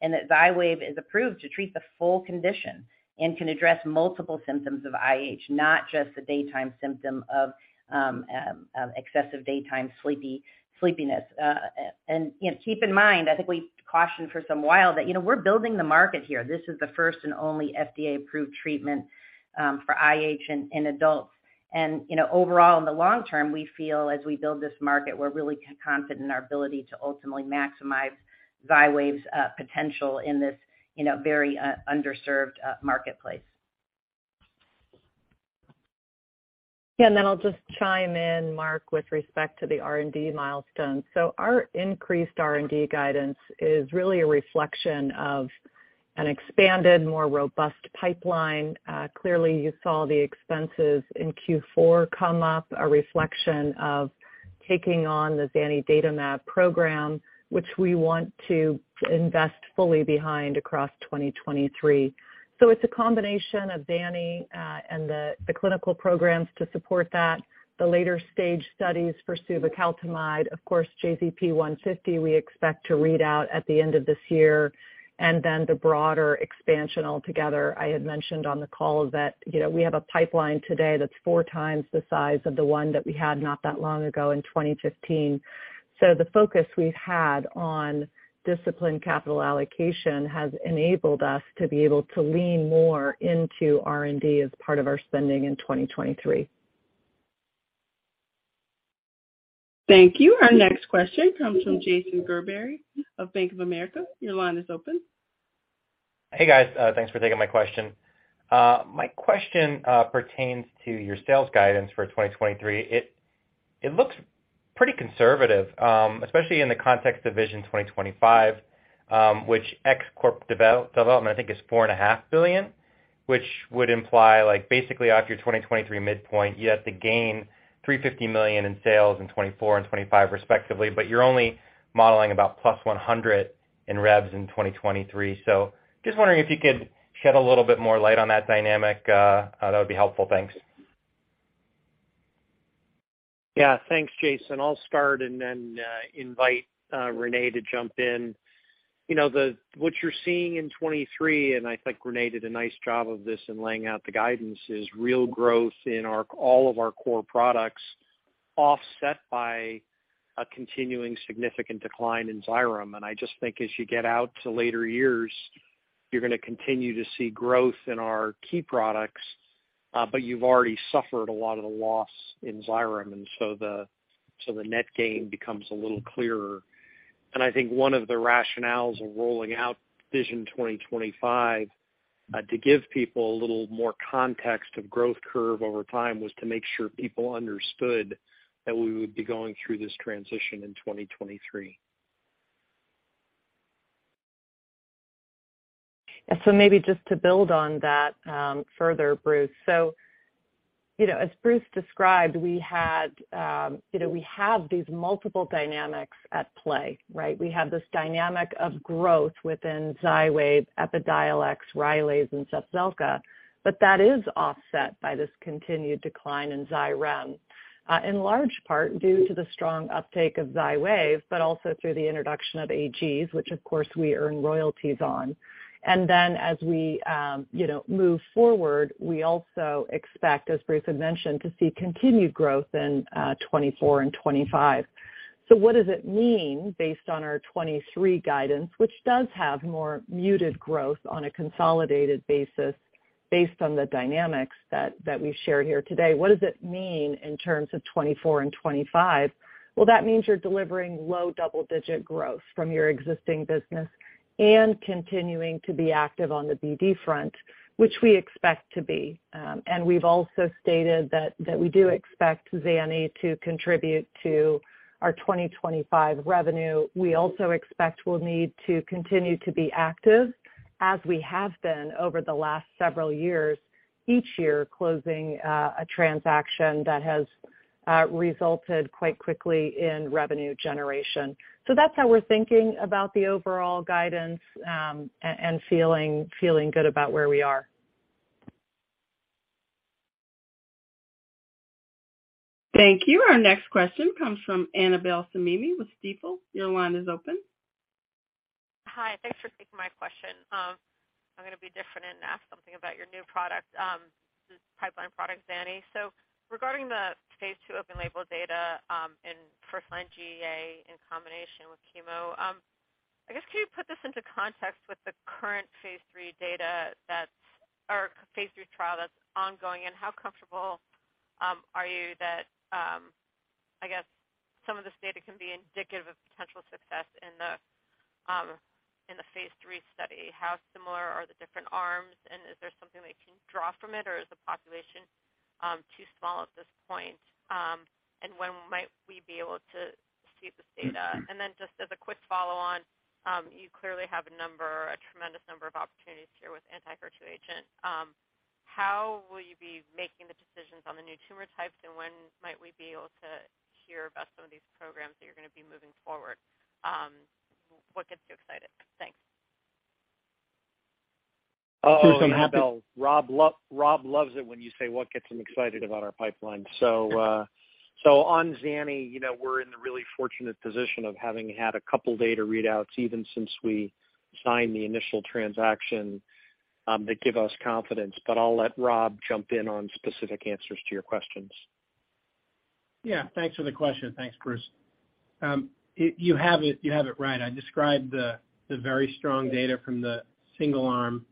S8: and that Xywav is approved to treat the full condition and can address multiple symptoms of IH, not just the daytime symptom of excessive daytime sleepiness. You know, keep in mind, I think we cautioned for some while that, you know, we're building the market here. This is the first and only FDA-approved treatment for IH in adults. You know, overall, in the long term, we feel as we build this market, we're really confident in our ability to ultimately maximize Xywav's potential in this, you know, very underserved marketplace. Yeah.
S6: I'll just chime in, Marc, with respect to the R&D milestones. Our increased R&D guidance is really a reflection of an expanded, more robust pipeline. Clearly you saw the expenses in Q4 come up, a reflection. Taking on the zanidatamab program, which we want to invest fully behind across 2023. It's a combination of zani and the clinical programs to support that, the later-stage studies for suvecaltamide, of course, JZP150 we expect to read out at the end of this year, and then the broader expansion altogether. I had mentioned on the call that, you know, we have a pipeline today that's four times the size of the one that we had not that long ago in 2015. The focus we've had on disciplined capital allocation has enabled us to be able to lean more into R&D as part of our spending in 2023.
S1: Thank you. Our next question comes from Jason Gerberry of Bank of America. Your line is open.
S10: Hey, guys. Thanks for taking my question. My question pertains to your sales guidance for 2023. It, it looks pretty conservative, especially in the context of Vision 2025, which ex corp development, I think, is $4.5 billion, which would imply, like, basically, off your 2023 midpoint, you have to gain $350 million in sales in 2024 and 2025 respectively, but you're only modeling about +$100 million in revs in 2023. Just wondering if you could shed a little bit more light on that dynamic, that would be helpful. Thanks.
S3: Yeah. Thanks, Jason. I'll start and then invite Renée to jump in. You know, what you're seeing in 2023, and I think Renée did a nice job of this in laying out the guidance, is real growth in all of our core products offset by a continuing significant decline in Xyrem. I just think as you get out to later years, you're gonna continue to see growth in our key products, but you've already suffered a lot of the loss in Xyrem, and so the net gain becomes a little clearer. I think one of the rationales of rolling out Vision 2025, to give people a little more context of growth curve over time was to make sure people understood that we would be going through this transition in 2023.
S6: Yeah. Maybe just to build on that further, Bruce. You know, as Bruce described, we had, you know, we have these multiple dynamics at play, right? We have this dynamic of growth within Xywav, Epidiolex, Rylaze, and Zepzelca, but that is offset by this continued decline in Xyrem, in large part due to the strong uptake of Xywav, but also through the introduction of AGs, which of course we earn royalties on. As we, you know, move forward, we also expect, as Bruce had mentioned, to see continued growth in 2024 and 2025. What does it mean based on our 2023 guidance, which does have more muted growth on a consolidated basis based on the dynamics that we've shared here today? What does it mean in terms of 2024 and 2025? Well, that means you're delivering low double-digit growth from your existing business and continuing to be active on the BD front, which we expect to be. We've also stated that we do expect zani to contribute to our 2025 revenue. We also expect we'll need to continue to be active as we have been over the last several years, each year closing, a transaction that has, resulted quite quickly in revenue generation. That's how we're thinking about the overall guidance, and feeling good about where we are.
S1: Thank you. Our next question comes from Annabel Samimy with Stifel. Your line is open.
S11: Hi. Thanks for taking my question. I'm gonna be different and ask something about your new product, this pipeline product, zani. Regarding the phase II open label data, in first-line GEA in combination with chemo, I guess, can you put this into context with the current phase III data or phase III trial that's ongoing, and how comfortable are you that I guess some of this data can be indicative of potential success in the in the phase III study? How similar are the different arms, and is there something that you can draw from it, or is the population too small at this point? When might we be able to see this data? Then just as a quick follow-on, you clearly have a number, a tremendous number of opportunities here with anti-HER2 agent. How will you be making the decisions on the new tumor types, and when might we be able to hear about some of these programs that you're gonna be moving forward? What gets you excited? Thanks.
S3: Annabel. Rob loves it when you say what gets him excited about our pipeline. on zani, you know, we're in the really fortunate position of having had a couple data readouts even since we signed the initial transaction that give us confidence. I'll let Rob jump in on specific answers to your questions.
S5: Yeah. Thanks for the question. Thanks, Bruce. You have it right. I described the very strong data from the single-arm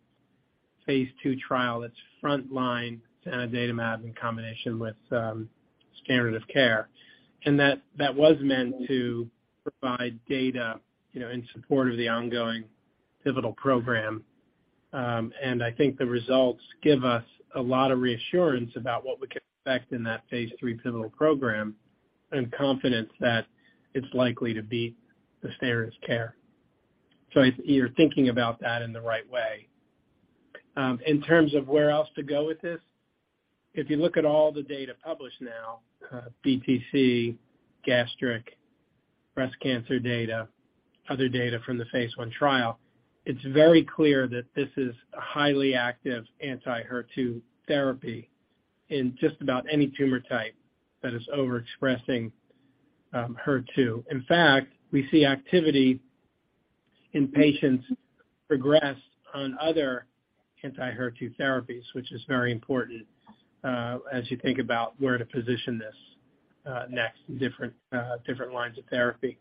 S5: phase two trial that's frontline zanidatamab in combination with standard of care. That was meant to provide data, you know, in support of the ongoing pivotal program. I think the results give us a lot of reassurance about what we can expect in that phase III pivotal program and confidence that it's likely to be the standard of care. You're thinking about that in the right way In terms of where else to go with this, if you look at all the data published now, BTC, gastric, breast cancer data, other data from the phase I trial, it's very clear that this is a highly active anti-HER2 therapy in just about any tumor type that is overexpressing HER2. In fact, we see activity in patients progressed on other anti-HER2 therapies, which is very important as you think about where to position this next in different different lines of therapy.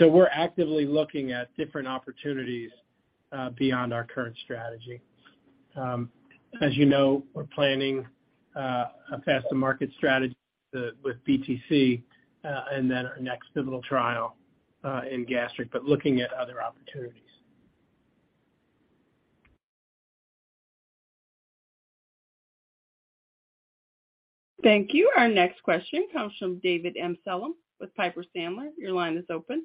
S5: We're actively looking at different opportunities beyond our current strategy. As you know, we're planning a faster market strategy with BTC, and then our next pivotal trial in gastric, but looking at other opportunities.
S1: Thank you. Our next question comes from David Amsellem with Piper Sandler. Your line is open.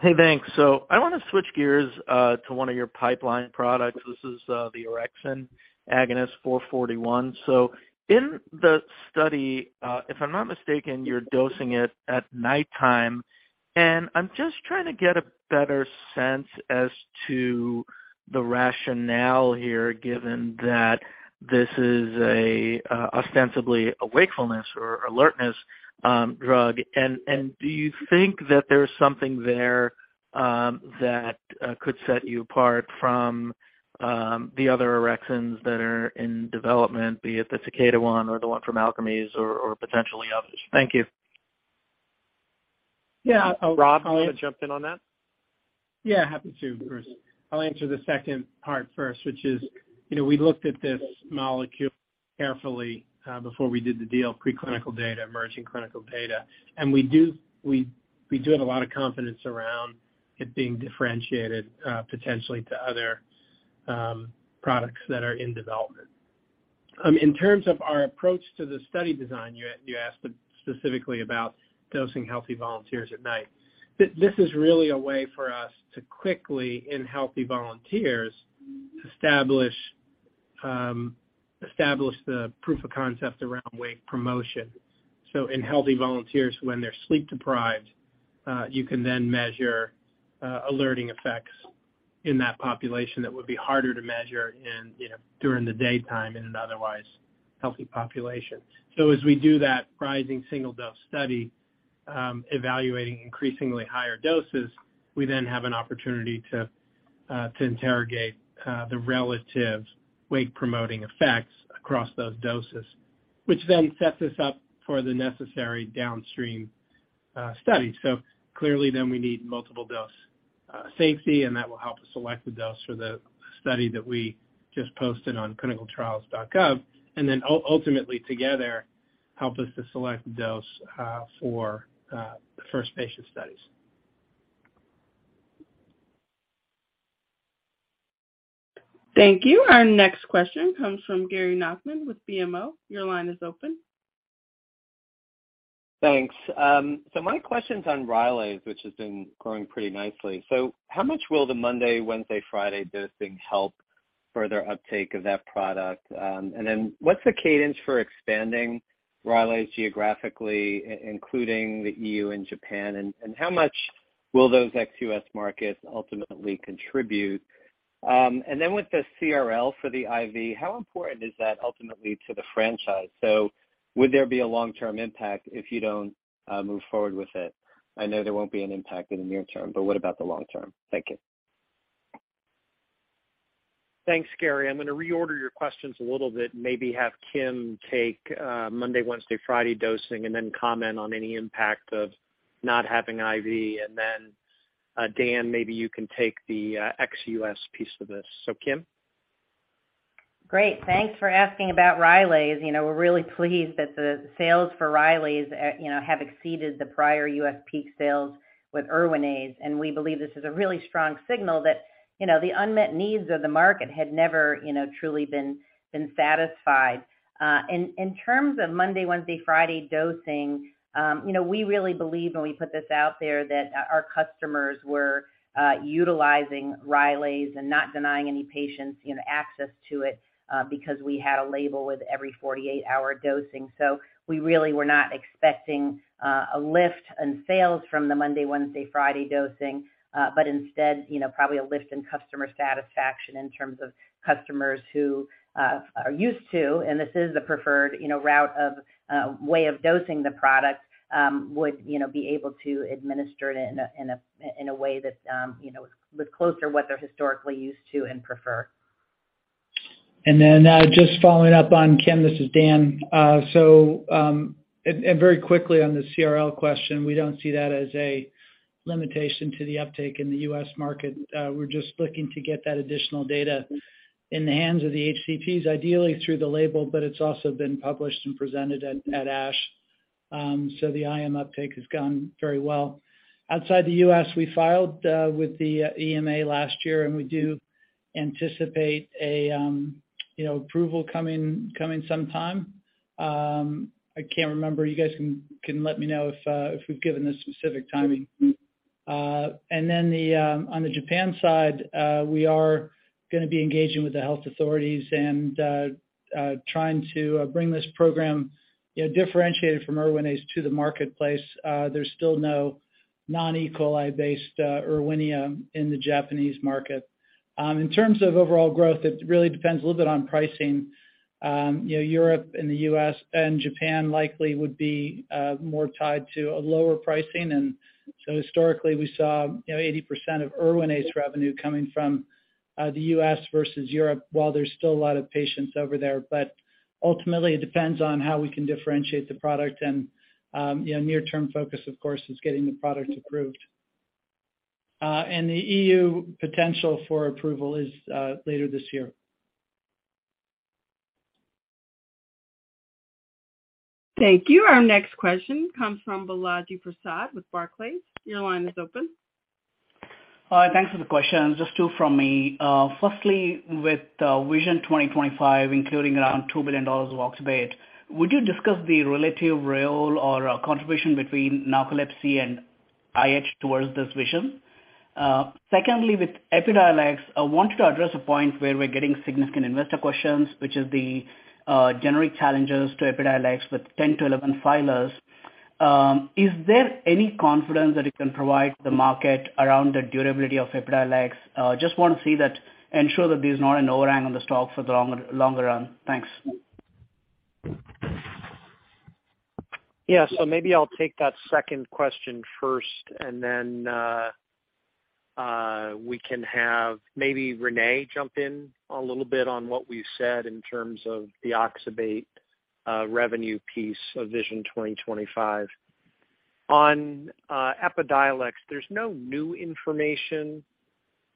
S12: Hey, thanks. I wanna switch gears to one of your pipeline products. This is the orexin agonist JZP441. In the study, if I'm not mistaken, you're dosing it at nighttime. I'm just trying to get a better sense as to the rationale here, given that this is a ostensibly a wakefulness or alertness drug. Do you think that there's something there that could set you apart from the other orexins that are in development, be it the Takeda one or the one from Alkermes or potentially others? Thank you.
S3: Yeah. Rob, do you wanna jump in on that?
S5: Yeah, happy to. Of course. I'll answer the second part first, which is, you know, we looked at this molecule carefully before we did the deal, preclinical data, emerging clinical data. We do have a lot of confidence around it being differentiated potentially to other products that are in development. In terms of our approach to the study design, you asked specifically about dosing healthy volunteers at night. This is really a way for us to quickly, in healthy volunteers, establish establish the proof of concept around wake promotion. In healthy volunteers, when they're sleep deprived, you can then measure alerting effects in that population that would be harder to measure in, you know, during the daytime in an otherwise healthy population. As we do that rising single dose study, evaluating increasingly higher doses, we then have an opportunity to interrogate the relative wake promoting effects across those doses, which then sets us up for the necessary downstream studies. Clearly then we need multiple dose safety, and that will help us select the dose for the study that we just posted on clinicaltrials.gov, and then ultimately together, help us to select the dose for the first patient studies.
S1: Thank you. Our next question comes from Gary Nachman with BMO. Your line is open.
S13: Thanks. My question's on Rylaze, which has been growing pretty nicely. How much will the Monday, Wednesday, Friday dosing help further uptake of that product? What's the cadence for expanding Rylaze geographically, including the EU and Japan? How much will those ex-U.S. markets ultimately contribute? With the CRL for the IV, how important is that ultimately to the franchise? Would there be a long-term impact if you don't move forward with it? I know there won't be an impact in the near term, but what about the long term? Thank you.
S5: Thanks, Gary. I'm gonna reorder your questions a little bit, maybe have Kim take Monday, Wednesday, Friday dosing and then comment on any impact of not having IV. Dan, maybe you can take the ex-U.S. piece of this. Kim?
S8: Great. Thanks for asking about Rylaze. You know, we're really pleased that the sales for Rylaze, you know, have exceeded the prior U.S. peak sales with Erwinaze. We believe this is a really strong signal that, you know, the unmet needs of the market had never, you know, truly been satisfied. In, in terms of Monday, Wednesday, Friday dosing, you know, we really believe when we put this out there that our customers were utilizing Rylaze and not denying any patients, you know, access to it because we had a label with every 48-hour dosing. We really were not expecting a lift in sales from the Monday, Wednesday, Friday dosing, but instead, you know, probably a lift in customer satisfaction in terms of customers who are used to, and this is the preferred, you know, route of way of dosing the product, would, you know, be able to administer it in a way that, you know, was closer what they're historically used to and prefer.
S4: Just following up on Kim, this is Dan. Very quickly on the CRL question, we don't see that as a limitation to the uptake in the U.S. market. We're just looking to get that additional data in the hands of the HCPs, ideally through the label, but it's also been published and presented at ASH. The IM uptake has gone very well. Outside the U.S., we filed with the EMA last year, and we do anticipate a, you know, approval coming sometime. I can't remember. You guys can let me know if we've given the specific timing. On the Japan side, we are gonna be engaging with the health authorities and trying to bring this program, you know, differentiated from Erwinaze to the marketplace. There's still no non-E. coli based Erwinia in the Japanese market. In terms of overall growth, it really depends a little bit on pricing. You know, Europe and the U.S. and Japan likely would be more tied to a lower pricing. Historically we saw, you know, 80% of Erwinaze revenue coming from the U.S. versus Europe, while there's still a lot of patients over there. Ultimately it depends on how we can differentiate the product. You know, near term focus, of course, is getting the product approved. The EU potential for approval is later this year.
S1: Thank you. Our next question comes from Balaji Prasad with Barclays. Your line is open.
S14: Thanks for the questions. Just two from me. Firstly, with Vision 2025, including around $2 billion of oxybate, would you discuss the relative role or contribution between narcolepsy and IH towards this vision? Secondly, with Epidiolex, I wanted to address a point where we're getting significant investor questions, which is the generic challenges to Epidiolex with 10-11 filers. Is there any confidence that you can provide the market around the durability of Epidiolex? Just want to see that ensure that there's not an overhang on the stock for the longer run. Thanks.
S3: Maybe I'll take that second question first, and then we can have maybe Renée jump in a little bit on what we've said in terms of the oxybate revenue piece of Vision 2025. Epidiolex, there's no new information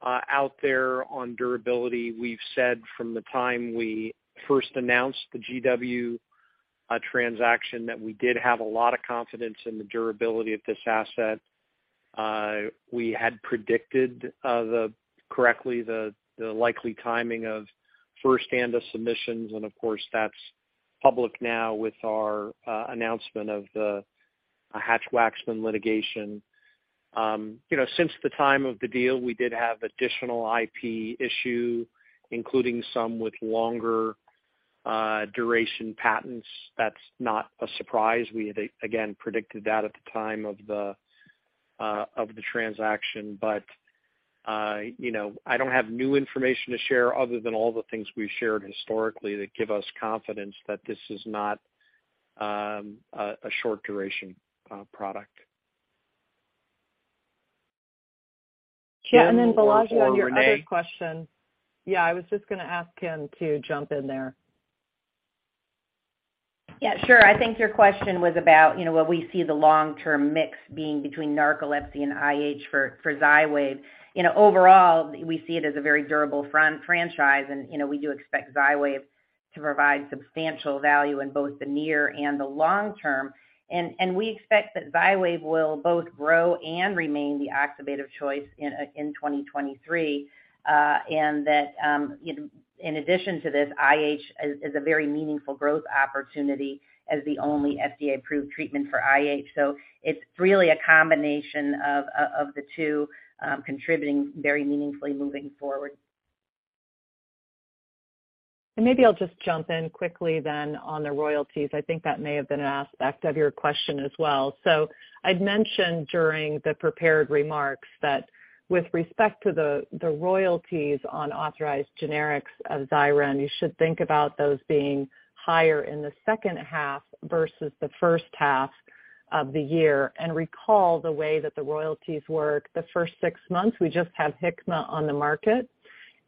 S3: out there on durability. We've said from the time we first announced the GW transaction that we did have a lot of confidence in the durability of this asset. We had predicted correctly the likely timing of first ANDA submissions, and of course, that's public now with our announcement of the Hatch-Waxman litigation. You know, since the time of the deal, we did have additional IP issue, including some with longer duration patents. That's not a surprise. We had again predicted that at the time of the transaction. You know, I don't have new information to share other than all the things we've shared historically that give us confidence that this is not, a short duration, product.
S6: Yeah. Balaji, on your other question.
S3: Renée.
S6: Yeah, I was just gonna ask kim to jump in there.
S8: Yeah, sure. I think your question was about, you know, what we see the long term mix being between narcolepsy and IH for Xywav. You know, overall we see it as a very durable franchise, and, you know, we do expect Xywav to provide substantial value in both the near and the long term. We expect that Xywav will both grow and remain the oxybate of choice in 2023. In addition to this, IH is a very meaningful growth opportunity as the only FDA approved treatment for IH. It's really a combination of the two, contributing very meaningfully moving forward.
S6: Maybe I'll just jump in quickly then on the royalties. I think that may have been an aspect of your question as well. I'd mentioned during the prepared remarks that with respect to the royalties on authorized generics of Xyrem, you should think about those being higher in the second half versus the first half of the year. Recall the way that the royalties work. The first six months, we just have Hikma on the market,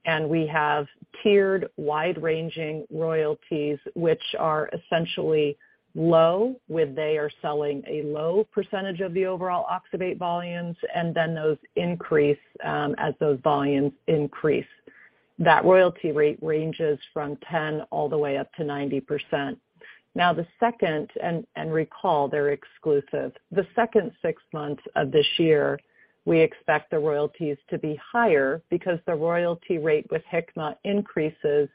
S6: and we have tiered wide-ranging royalties, which are essentially low, where they are selling a low percentage of the overall oxybate volumes, and then those increase as those volumes increase. That royalty rate ranges from 10 all the way up to 90%. Recall they're exclusive. The second 6 months of this year, we expect the royalties to be higher because the royalty rate with Hikma increases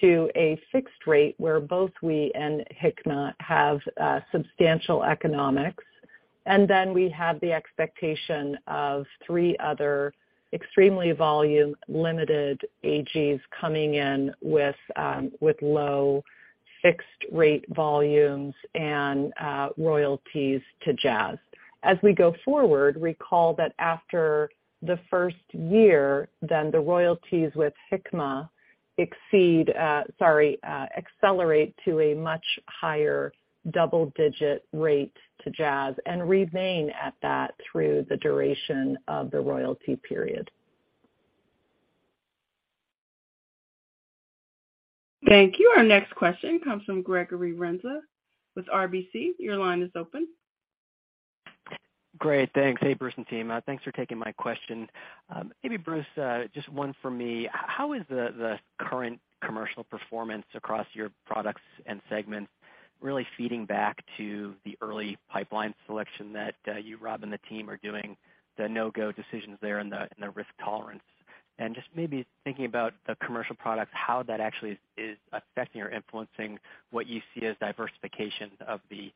S6: to a fixed rate where both we and Hikma have substantial economics. Then we have the expectation of three other extremely volume limited AGs coming in with low fixed rate volumes and royalties to Jazz. As we go forward, recall that after the first year, then the royalties with Hikma exceed, sorry, accelerate to a much higher double-digit rate to Jazz and remain at that through the duration of the royalty period.
S1: Thank you. Our next question comes from Gregory Renza with RBC. Your line is open.
S15: Great, thanks. Hey, Bruce and team. Thanks for taking my question. Maybe Bruce, just one for me. How is the current commercial performance across your products and segments really feeding back to the early pipeline selection that, you, Rob, and the team are doing the no-go decisions there and the risk tolerance? Just maybe thinking about the commercial products, how that actually is affecting or influencing what you see as diversification of the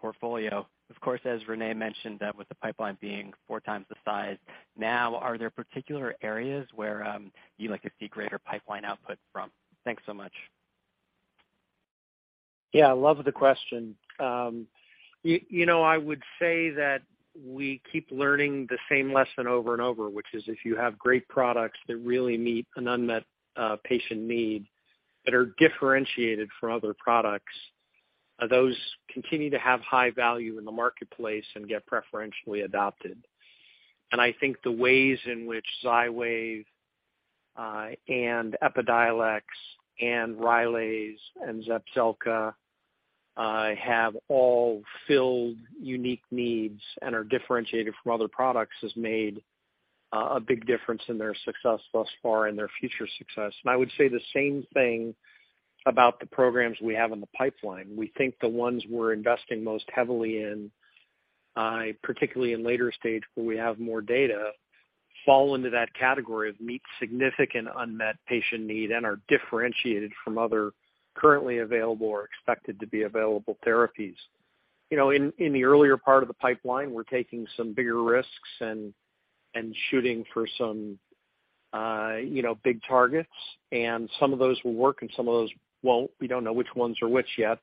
S15: portfolio. Of course, as Renée mentioned, with the pipeline being 4 times the size now, are there particular areas where you'd like to see greater pipeline output from? Thanks so much.
S3: Yeah, love the question. you know, I would say that we keep learning the same lesson over and over, which is if you have great products that really meet an unmet patient need that are differentiated from other products, those continue to have high value in the marketplace and get preferentially adopted. I think the ways in which Xywav and Epidiolex and Rylaze and Zepzelca have all filled unique needs and are differentiated from other products has made a big difference in their success thus far and their future success. I would say the same thing about the programs we have in the pipeline. We think the ones we're investing most heavily in, particularly in later stage where we have more data, fall into that category of meet significant unmet patient need and are differentiated from other currently available or expected to be available therapies. You know, in the earlier part of the pipeline, we're taking some bigger risks and shooting for some, you know, big targets. Some of those will work and some of those won't. We don't know which ones are which yet.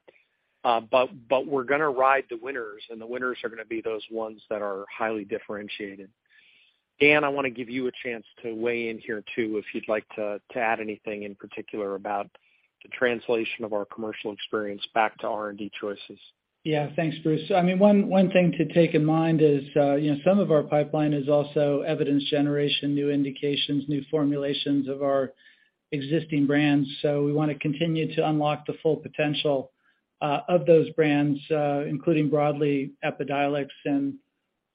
S3: But we're gonna ride the winners, and the winners are gonna be those ones that are highly differentiated. Dan, I wanna give you a chance to weigh in here too, if you'd like to add anything in particular about the translation of our commercial experience back to R&D choices.
S4: Yeah. Thanks, Bruce. I mean, one thing to take in mind is, you know, some of our pipeline is also evidence generation, new indications, new formulations of our existing brands. We wanna continue to unlock the full potential of those brands, including broadly Epidiolex and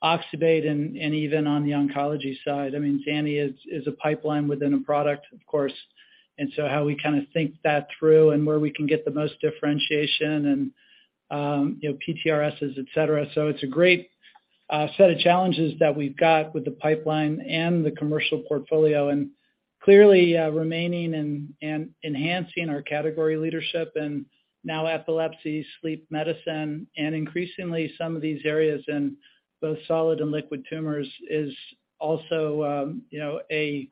S4: Oxybate and even on the oncology side. I mean, zani is a pipeline within a product, of course. How we kinda think that through and where we can get the most differentiation and, you know, PTRSs, et cetera. It's a great set of challenges that we've got with the pipeline and the commercial portfolio. Clearly, remaining and enhancing our category leadership and now epilepsy, sleep medicine and increasingly some of these areas in both solid and liquid tumors is also, you know, an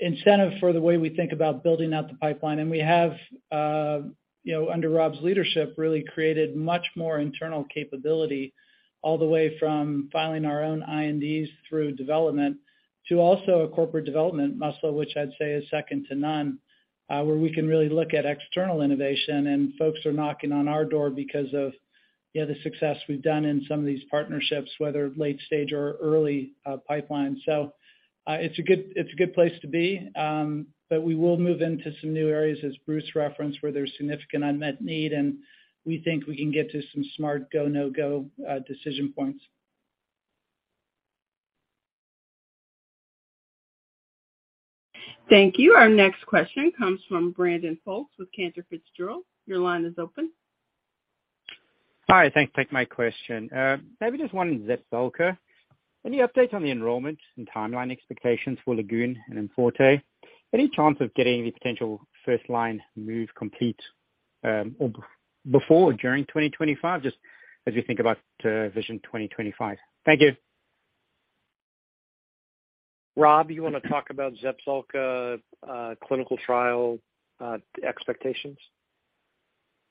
S4: incentive for the way we think about building out the pipeline. We have, you know, under Rob's leadership, really created much more internal capability all the way from filing our own INDs through development to also a corporate development muscle, which I'd say is second to none, where we can really look at external innovation. Folks are knocking on our door because of the success we've done in some of these partnerships, whether late stage or early, pipeline. It's a good place to be. We will move into some new areas, as Bruce referenced, where there's significant unmet need, and we think we can get to some smart go, no-go, decision points.
S1: Thank you. Our next question comes from Brandon Folkes with Cantor Fitzgerald. Your line is open.
S16: Hi. Thanks for taking my question. Maybe just one on Zepzelca. Any updates on the enrollment and timeline expectations for LAGOON and IMforte? Any chance of getting the potential first line move complete, or before or during 2025, just as you think about Vision 2025? Thank you.
S3: Rob, you wanna talk about Zepzelca, clinical trial, expectations?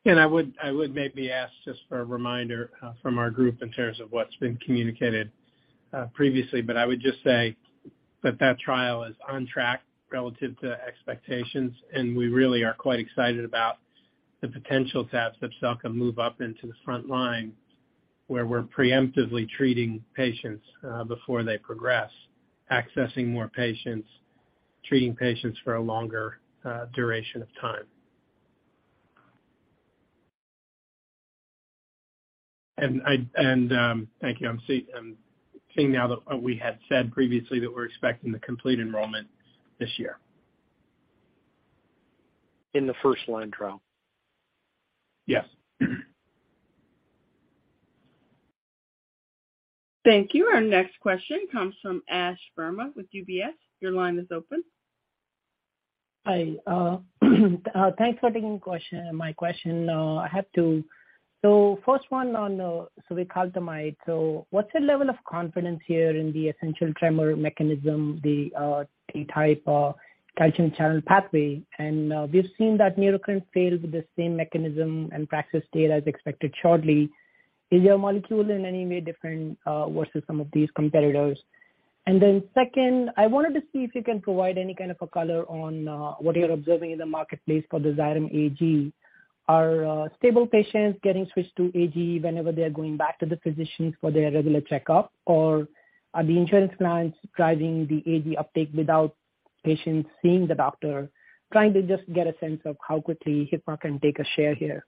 S5: I would maybe ask just for a reminder from our group in terms of what's been communicated previously, but I would just say that that trial is on track relative to expectations, and we really are quite excited about the potential to have Zepzelca move up into the front line, where we're preemptively treating patients before they progress, accessing more patients, treating patients for a longer duration of time. Thank you. I'm seeing now that what we had said previously that we're expecting the complete enrollment this year.
S3: In the first line trial.
S5: Yes.
S1: Thank you. Our next question comes from Ash Verma with UBS. Your line is open.
S17: Hi. thanks for taking question, my question. I have two. first one on suvecaltamide. What's the level of confidence here in the essential tremor mechanism, the T-type calcium channel pathway? We've seen that Neurocrine failed with the same mechanism and practice data as expected shortly. Is your molecule in any way different versus some of these competitors? second, I wanted to see if you can provide any kind of a color on what you're observing in the marketplace for the Xyrem AG. Are stable patients getting switched to AG whenever they're going back to the physicians for their regular checkup? Or are the insurance plans driving the AG uptake without patients seeing the doctor? Trying to just get a sense of how quickly Hikma can take a share here.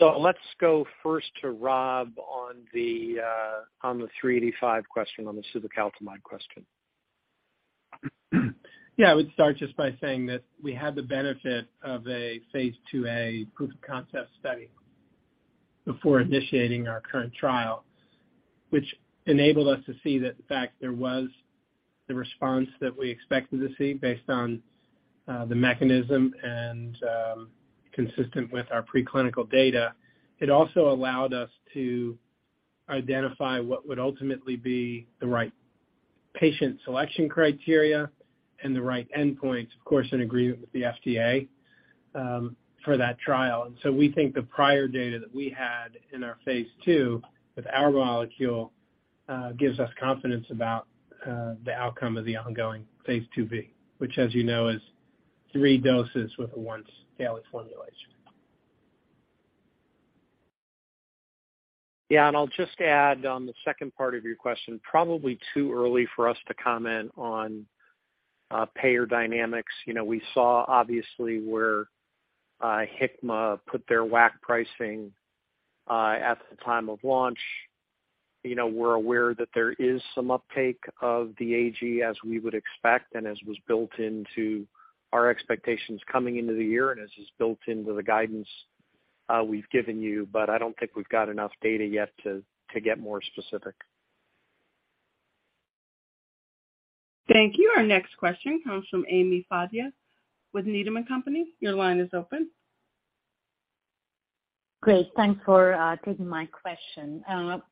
S3: Let's go first to Rob on the, on the 385 question, on the suvecaltamide question.
S5: Yeah, I would start just by saying that we had the benefit of a phase Ia proof of concept study before initiating our current trial, which enabled us to see that in fact, there was the response that we expected to see based on the mechanism and consistent with our preclinical data. It also allowed us to identify what would ultimately be the right patient selection criteria and the right endpoints, of course, in agreement with the FDA, for that trial. We think the prior data that we had in our phase I with our molecule gives us confidence about the outcome of the ongoing phase Ib, which as you know, is three doses with a once daily formulation.
S3: Yeah. I'll just add on the second part of your question, probably too early for us to comment on payer dynamics. You know, we saw obviously where Hikma put their WAC pricing at the time of launch. You know, we're aware that there is some uptake of the AG as we would expect and as was built into our expectations coming into the year and as is built into the guidance we've given you. I don't think we've got enough data yet to get more specific.
S1: Thank you. Our next question comes from Ami Fadia with Needham & Company. Your line is open.
S18: Great. Thanks for taking my question.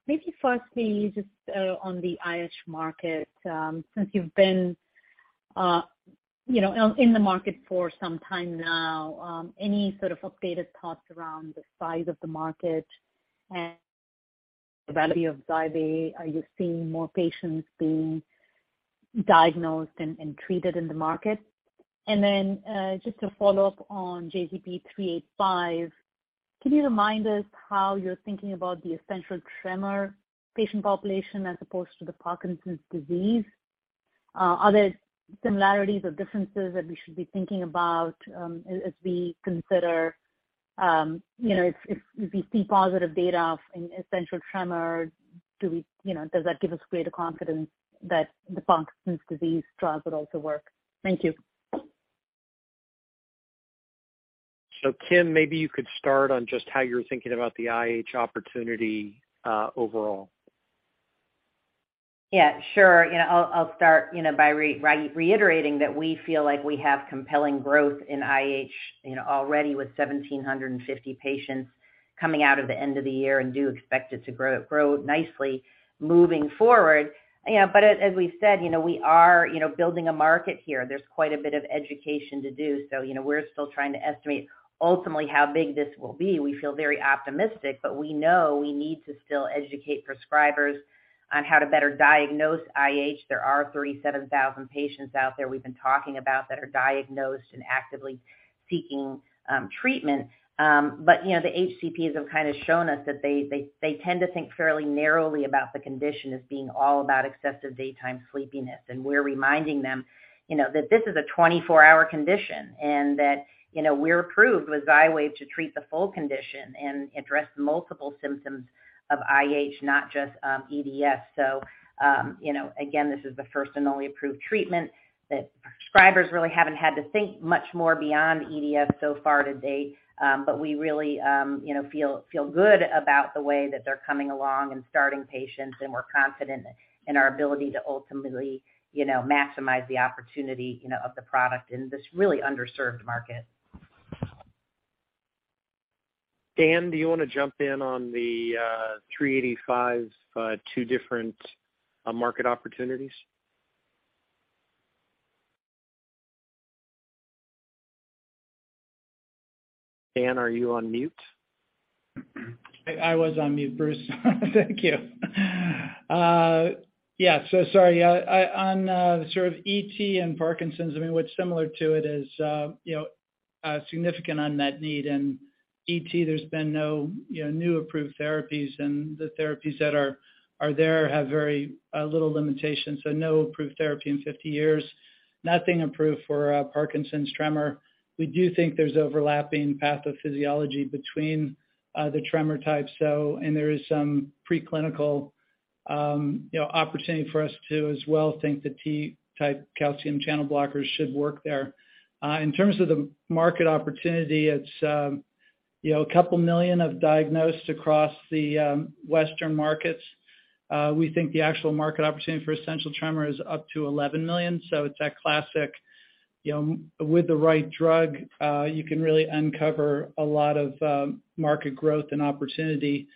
S18: Maybe firstly, just on the IH market, since you've been, you know, in the market for some time now, any sort of updated thoughts around the size of the market and the value of Xywav? Are you seeing more patients being diagnosed and treated in the market? And then, just to follow up on JZP385, can you remind us how you're thinking about the essential tremor patient population as opposed to the Parkinson's disease? Are there similarities or differences that we should be thinking about, as we consider, you know, if, if we see positive data of in essential tremor, do we, you know, does that give us greater confidence that the Parkinson's disease trials would also work? Thank you.
S3: Kim, maybe you could start on just how you're thinking about the IH opportunity overall.
S8: Yeah, sure. You know, I'll start, you know, by reiterating that we feel like we have compelling growth in IH, you know, already with 1,750 patients coming out of the end of the year and do expect it to grow nicely moving forward. You know, as we've said, you know, we are, you know, building a market here. There's quite a bit of education to do. You know, we're still trying to estimate ultimately how big this will be. We feel very optimistic, but we know we need to still educate prescribers on how to better diagnose IH. There are 37,000 patients out there we've been talking about that are diagnosed and actively seeking treatment. You know, the HCPs have kinda shown us that they tend to think fairly narrowly about the condition as being all about excessive daytime sleepiness. We're reminding them, you know, that this is a 24-hour condition and that, you know, we're approved with Xywav to treat the full condition and address multiple symptoms of IH, not just EDS. Again, this is the first and only approved treatment that prescribers really haven't had to think much more beyond EDS so far to date. We really, you know, feel good about the way that they're coming along and starting patients and we're confident in our ability to ultimately, you know, maximize the opportunity, you know, of the product in this really underserved market.
S3: Dan, do you wanna jump in on the JZP385's two different market opportunities? Dan, are you on mute?
S4: I was on mute, Bruce. Thank you. Yeah. Sorry. On sort of ET and Parkinson's, I mean, what's similar to it is, you know, a significant unmet need. ET, there's been no, you know, new approved therapies and the therapies that are there have very little limitations. No approved therapy in 50 years, nothing approved for Parkinson's tremor. We do think there's overlapping pathophysiology between the tremor types though, and there is some preclinical, you know, opportunity for us to as well think that T-type calcium channel blockers should work there. In terms of the market opportunity, it's, you know, 2 million have diagnosed across the Western markets. We think the actual market opportunity for essential tremor is up to 11 million. It's that classic, you know, with the right drug, you can really uncover a lot of market growth and opportunity.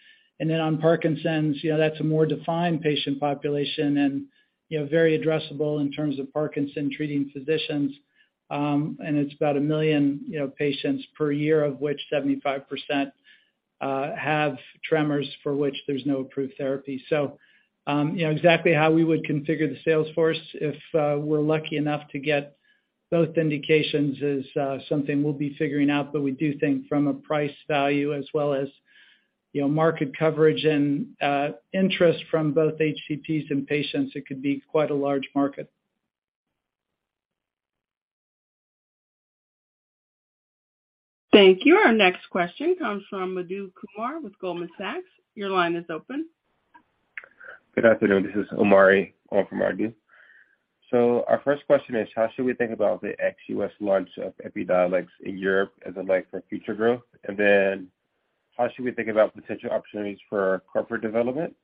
S4: On Parkinson's, you know, that's a more defined patient population and, you know, very addressable in terms of Parkinson treating physicians. It's about 1 million, you know, patients per year of which 75% have tremors for which there's no approved therapy. Exactly how we would configure the sales force if we're lucky enough to get both indications is something we'll be figuring out. We do think from a price value as well as, you know, market coverage and interest from both HCPs and patients, it could be quite a large market.
S1: Thank you. Our next question comes from Madhu Kumar with Goldman Sachs. Your line is open.
S19: Good afternoon. This is Omari on for Madhu. Our first question is how should we think about the ex-U.S. launch of Epidiolex in Europe as a mic for future growth? How should we think about potential opportunities for corporate development?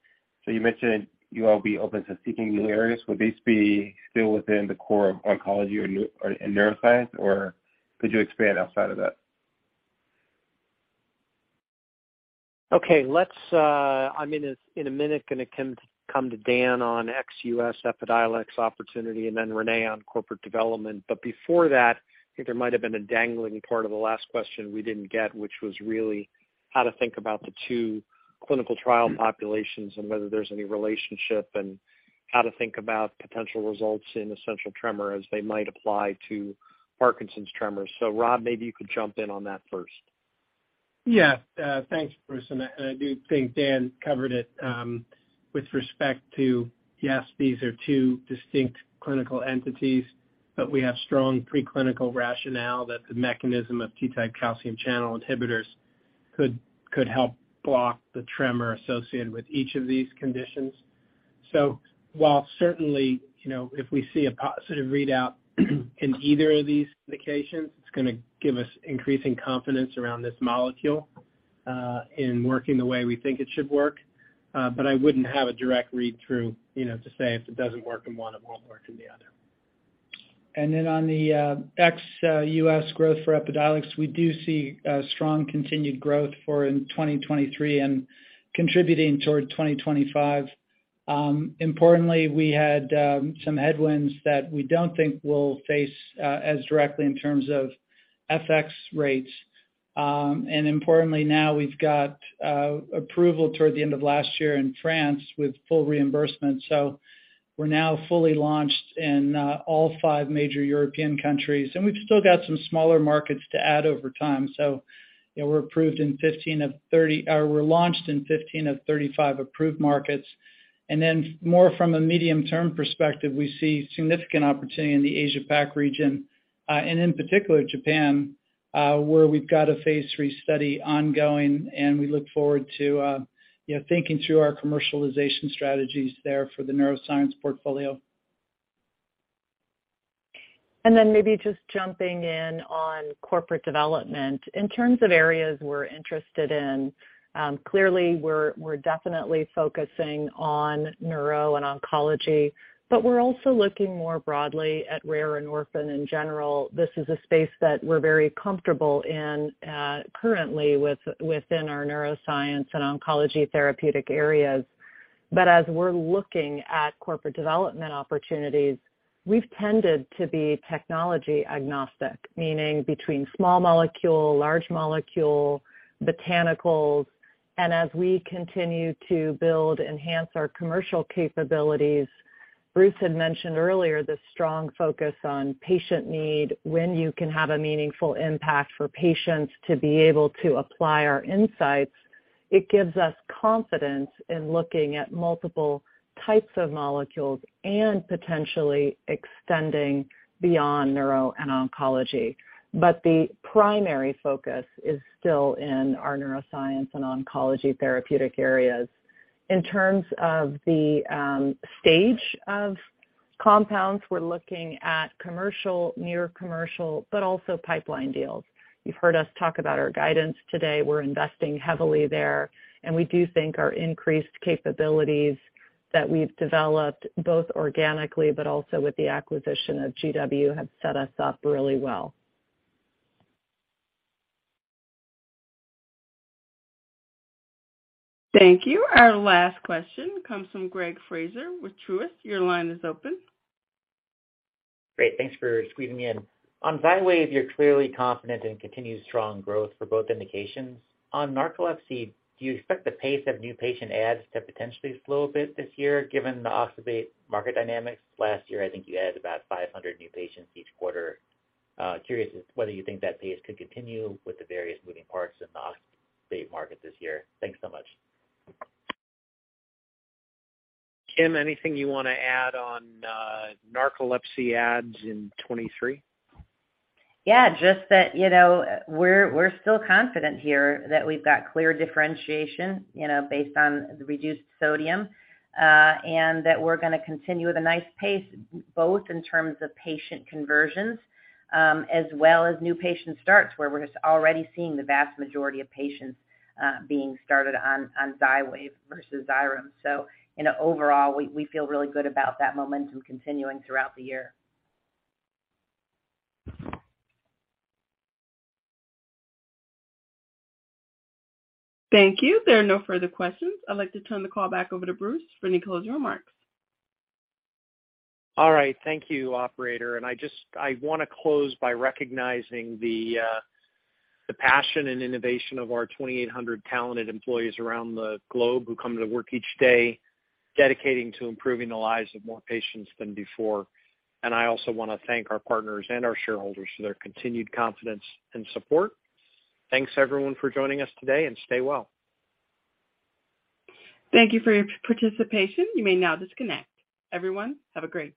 S19: You mentioned you all be open to seeking new areas. Would these be still within the core of oncology or, and neuroscience, or could you expand outside of that?
S3: Okay. Let's I'm in a minute gonna come to Dan on ex-US Epidiolex opportunity and then Renée on corporate development. Before that, I think there might have been a dangling part of the last question we didn't get, which was really how to think about the two clinical trial populations and whether there's any relationship, and how to think about potential results in essential tremor as they might apply to Parkinson's tremors. Rob, maybe you could jump in on that first.
S5: Thanks, Bruce, and I do think Dan covered it, with respect to, yes, these are two distinct clinical entities. We have strong preclinical rationale that the mechanism of T-type calcium channel inhibitors could help block the tremor associated with each of these conditions. While certainly, you know, if we see a sort of readout in either of these indications, it's gonna give us increasing confidence around this molecule, in working the way we think it should work. I wouldn't have a direct read-through, you know, to say if it doesn't work in one, it won't work in the other.
S3: On the ex-US growth for Epidiolex, we do see strong continued growth for in 2023 and contributing toward 2025. Importantly, we had some headwinds that we don't think we'll face as directly in terms of FX rates. Importantly now we've got approval toward the end of last year in France with full reimbursement, so we're now fully launched in all five major European countries. We've still got some smaller markets to add over time. You know, we're launched in 15 of 35 approved markets. More from a medium-term perspective, we see significant opportunity in the Asia Pac region, and in particular Japan, where we've got a phase III study ongoing and we look forward to, you know, thinking through our commercialization strategies there for the neuroscience portfolio.
S6: Maybe just jumping in on corporate development. In terms of areas we're interested in, clearly we're definitely focusing on neuro and oncology, but we're also looking more broadly at rare and orphan in general. This is a space that we're very comfortable in, currently within our neuroscience and oncology therapeutic areas. As we're looking at corporate development opportunities, we've tended to be technology agnostic, meaning between small molecule, large molecule, botanicals. As we continue to build, enhance our commercial capabilities, Bruce had mentioned earlier this strong focus on patient need when you can have a meaningful impact for patients to be able to apply our insights. It gives us confidence in looking at multiple types of molecules and potentially extending beyond neuro and oncology. The primary focus is still in our neuroscience and oncology therapeutic areas. In terms of the stage of compounds, we're looking at commercial, near commercial, but also pipeline deals. You've heard us talk about our guidance today. We're investing heavily there. We do think our increased capabilities that we've developed both organically but also with the acquisition of GW have set us up really well.
S1: Thank you. Our last question comes from Greg Fraser with Truist. Your line is open.
S20: Great. Thanks for squeezing me in. On Xywav, you're clearly confident in continued strong growth for both indications. On narcolepsy, do you expect the pace of new patient adds to potentially slow a bit this year given the oxybate market dynamics? Last year, I think you added about 500 new patients each quarter. Curious as whether you think that pace could continue with the various moving parts in the oxybate market this year. Thanks so much.
S3: Kim, anything you wanna add on narcolepsy adds in 2023?
S8: Just that, you know, we're still confident here that we've got clear differentiation, you know, based on the reduced sodium, and that we're gonna continue with a nice pace, both in terms of patient conversions, as well as new patient starts, where we're just already seeing the vast majority of patients, being started on Xywav versus Xyrem. You know, overall we feel really good about that momentum continuing throughout the year.
S1: Thank you. There are no further questions. I'd like to turn the call back over to Bruce for any closing remarks.
S3: All right. Thank you, operator. I just... I wanna close by recognizing the passion and innovation of our 2,800 talented employees around the globe who come to work each day dedicating to improving the lives of more patients than before. I also wanna thank our partners and our shareholders for their continued confidence and support. Thanks everyone for joining us today, and stay well.
S1: Thank you for your participation. You may now disconnect. Everyone, have a great day.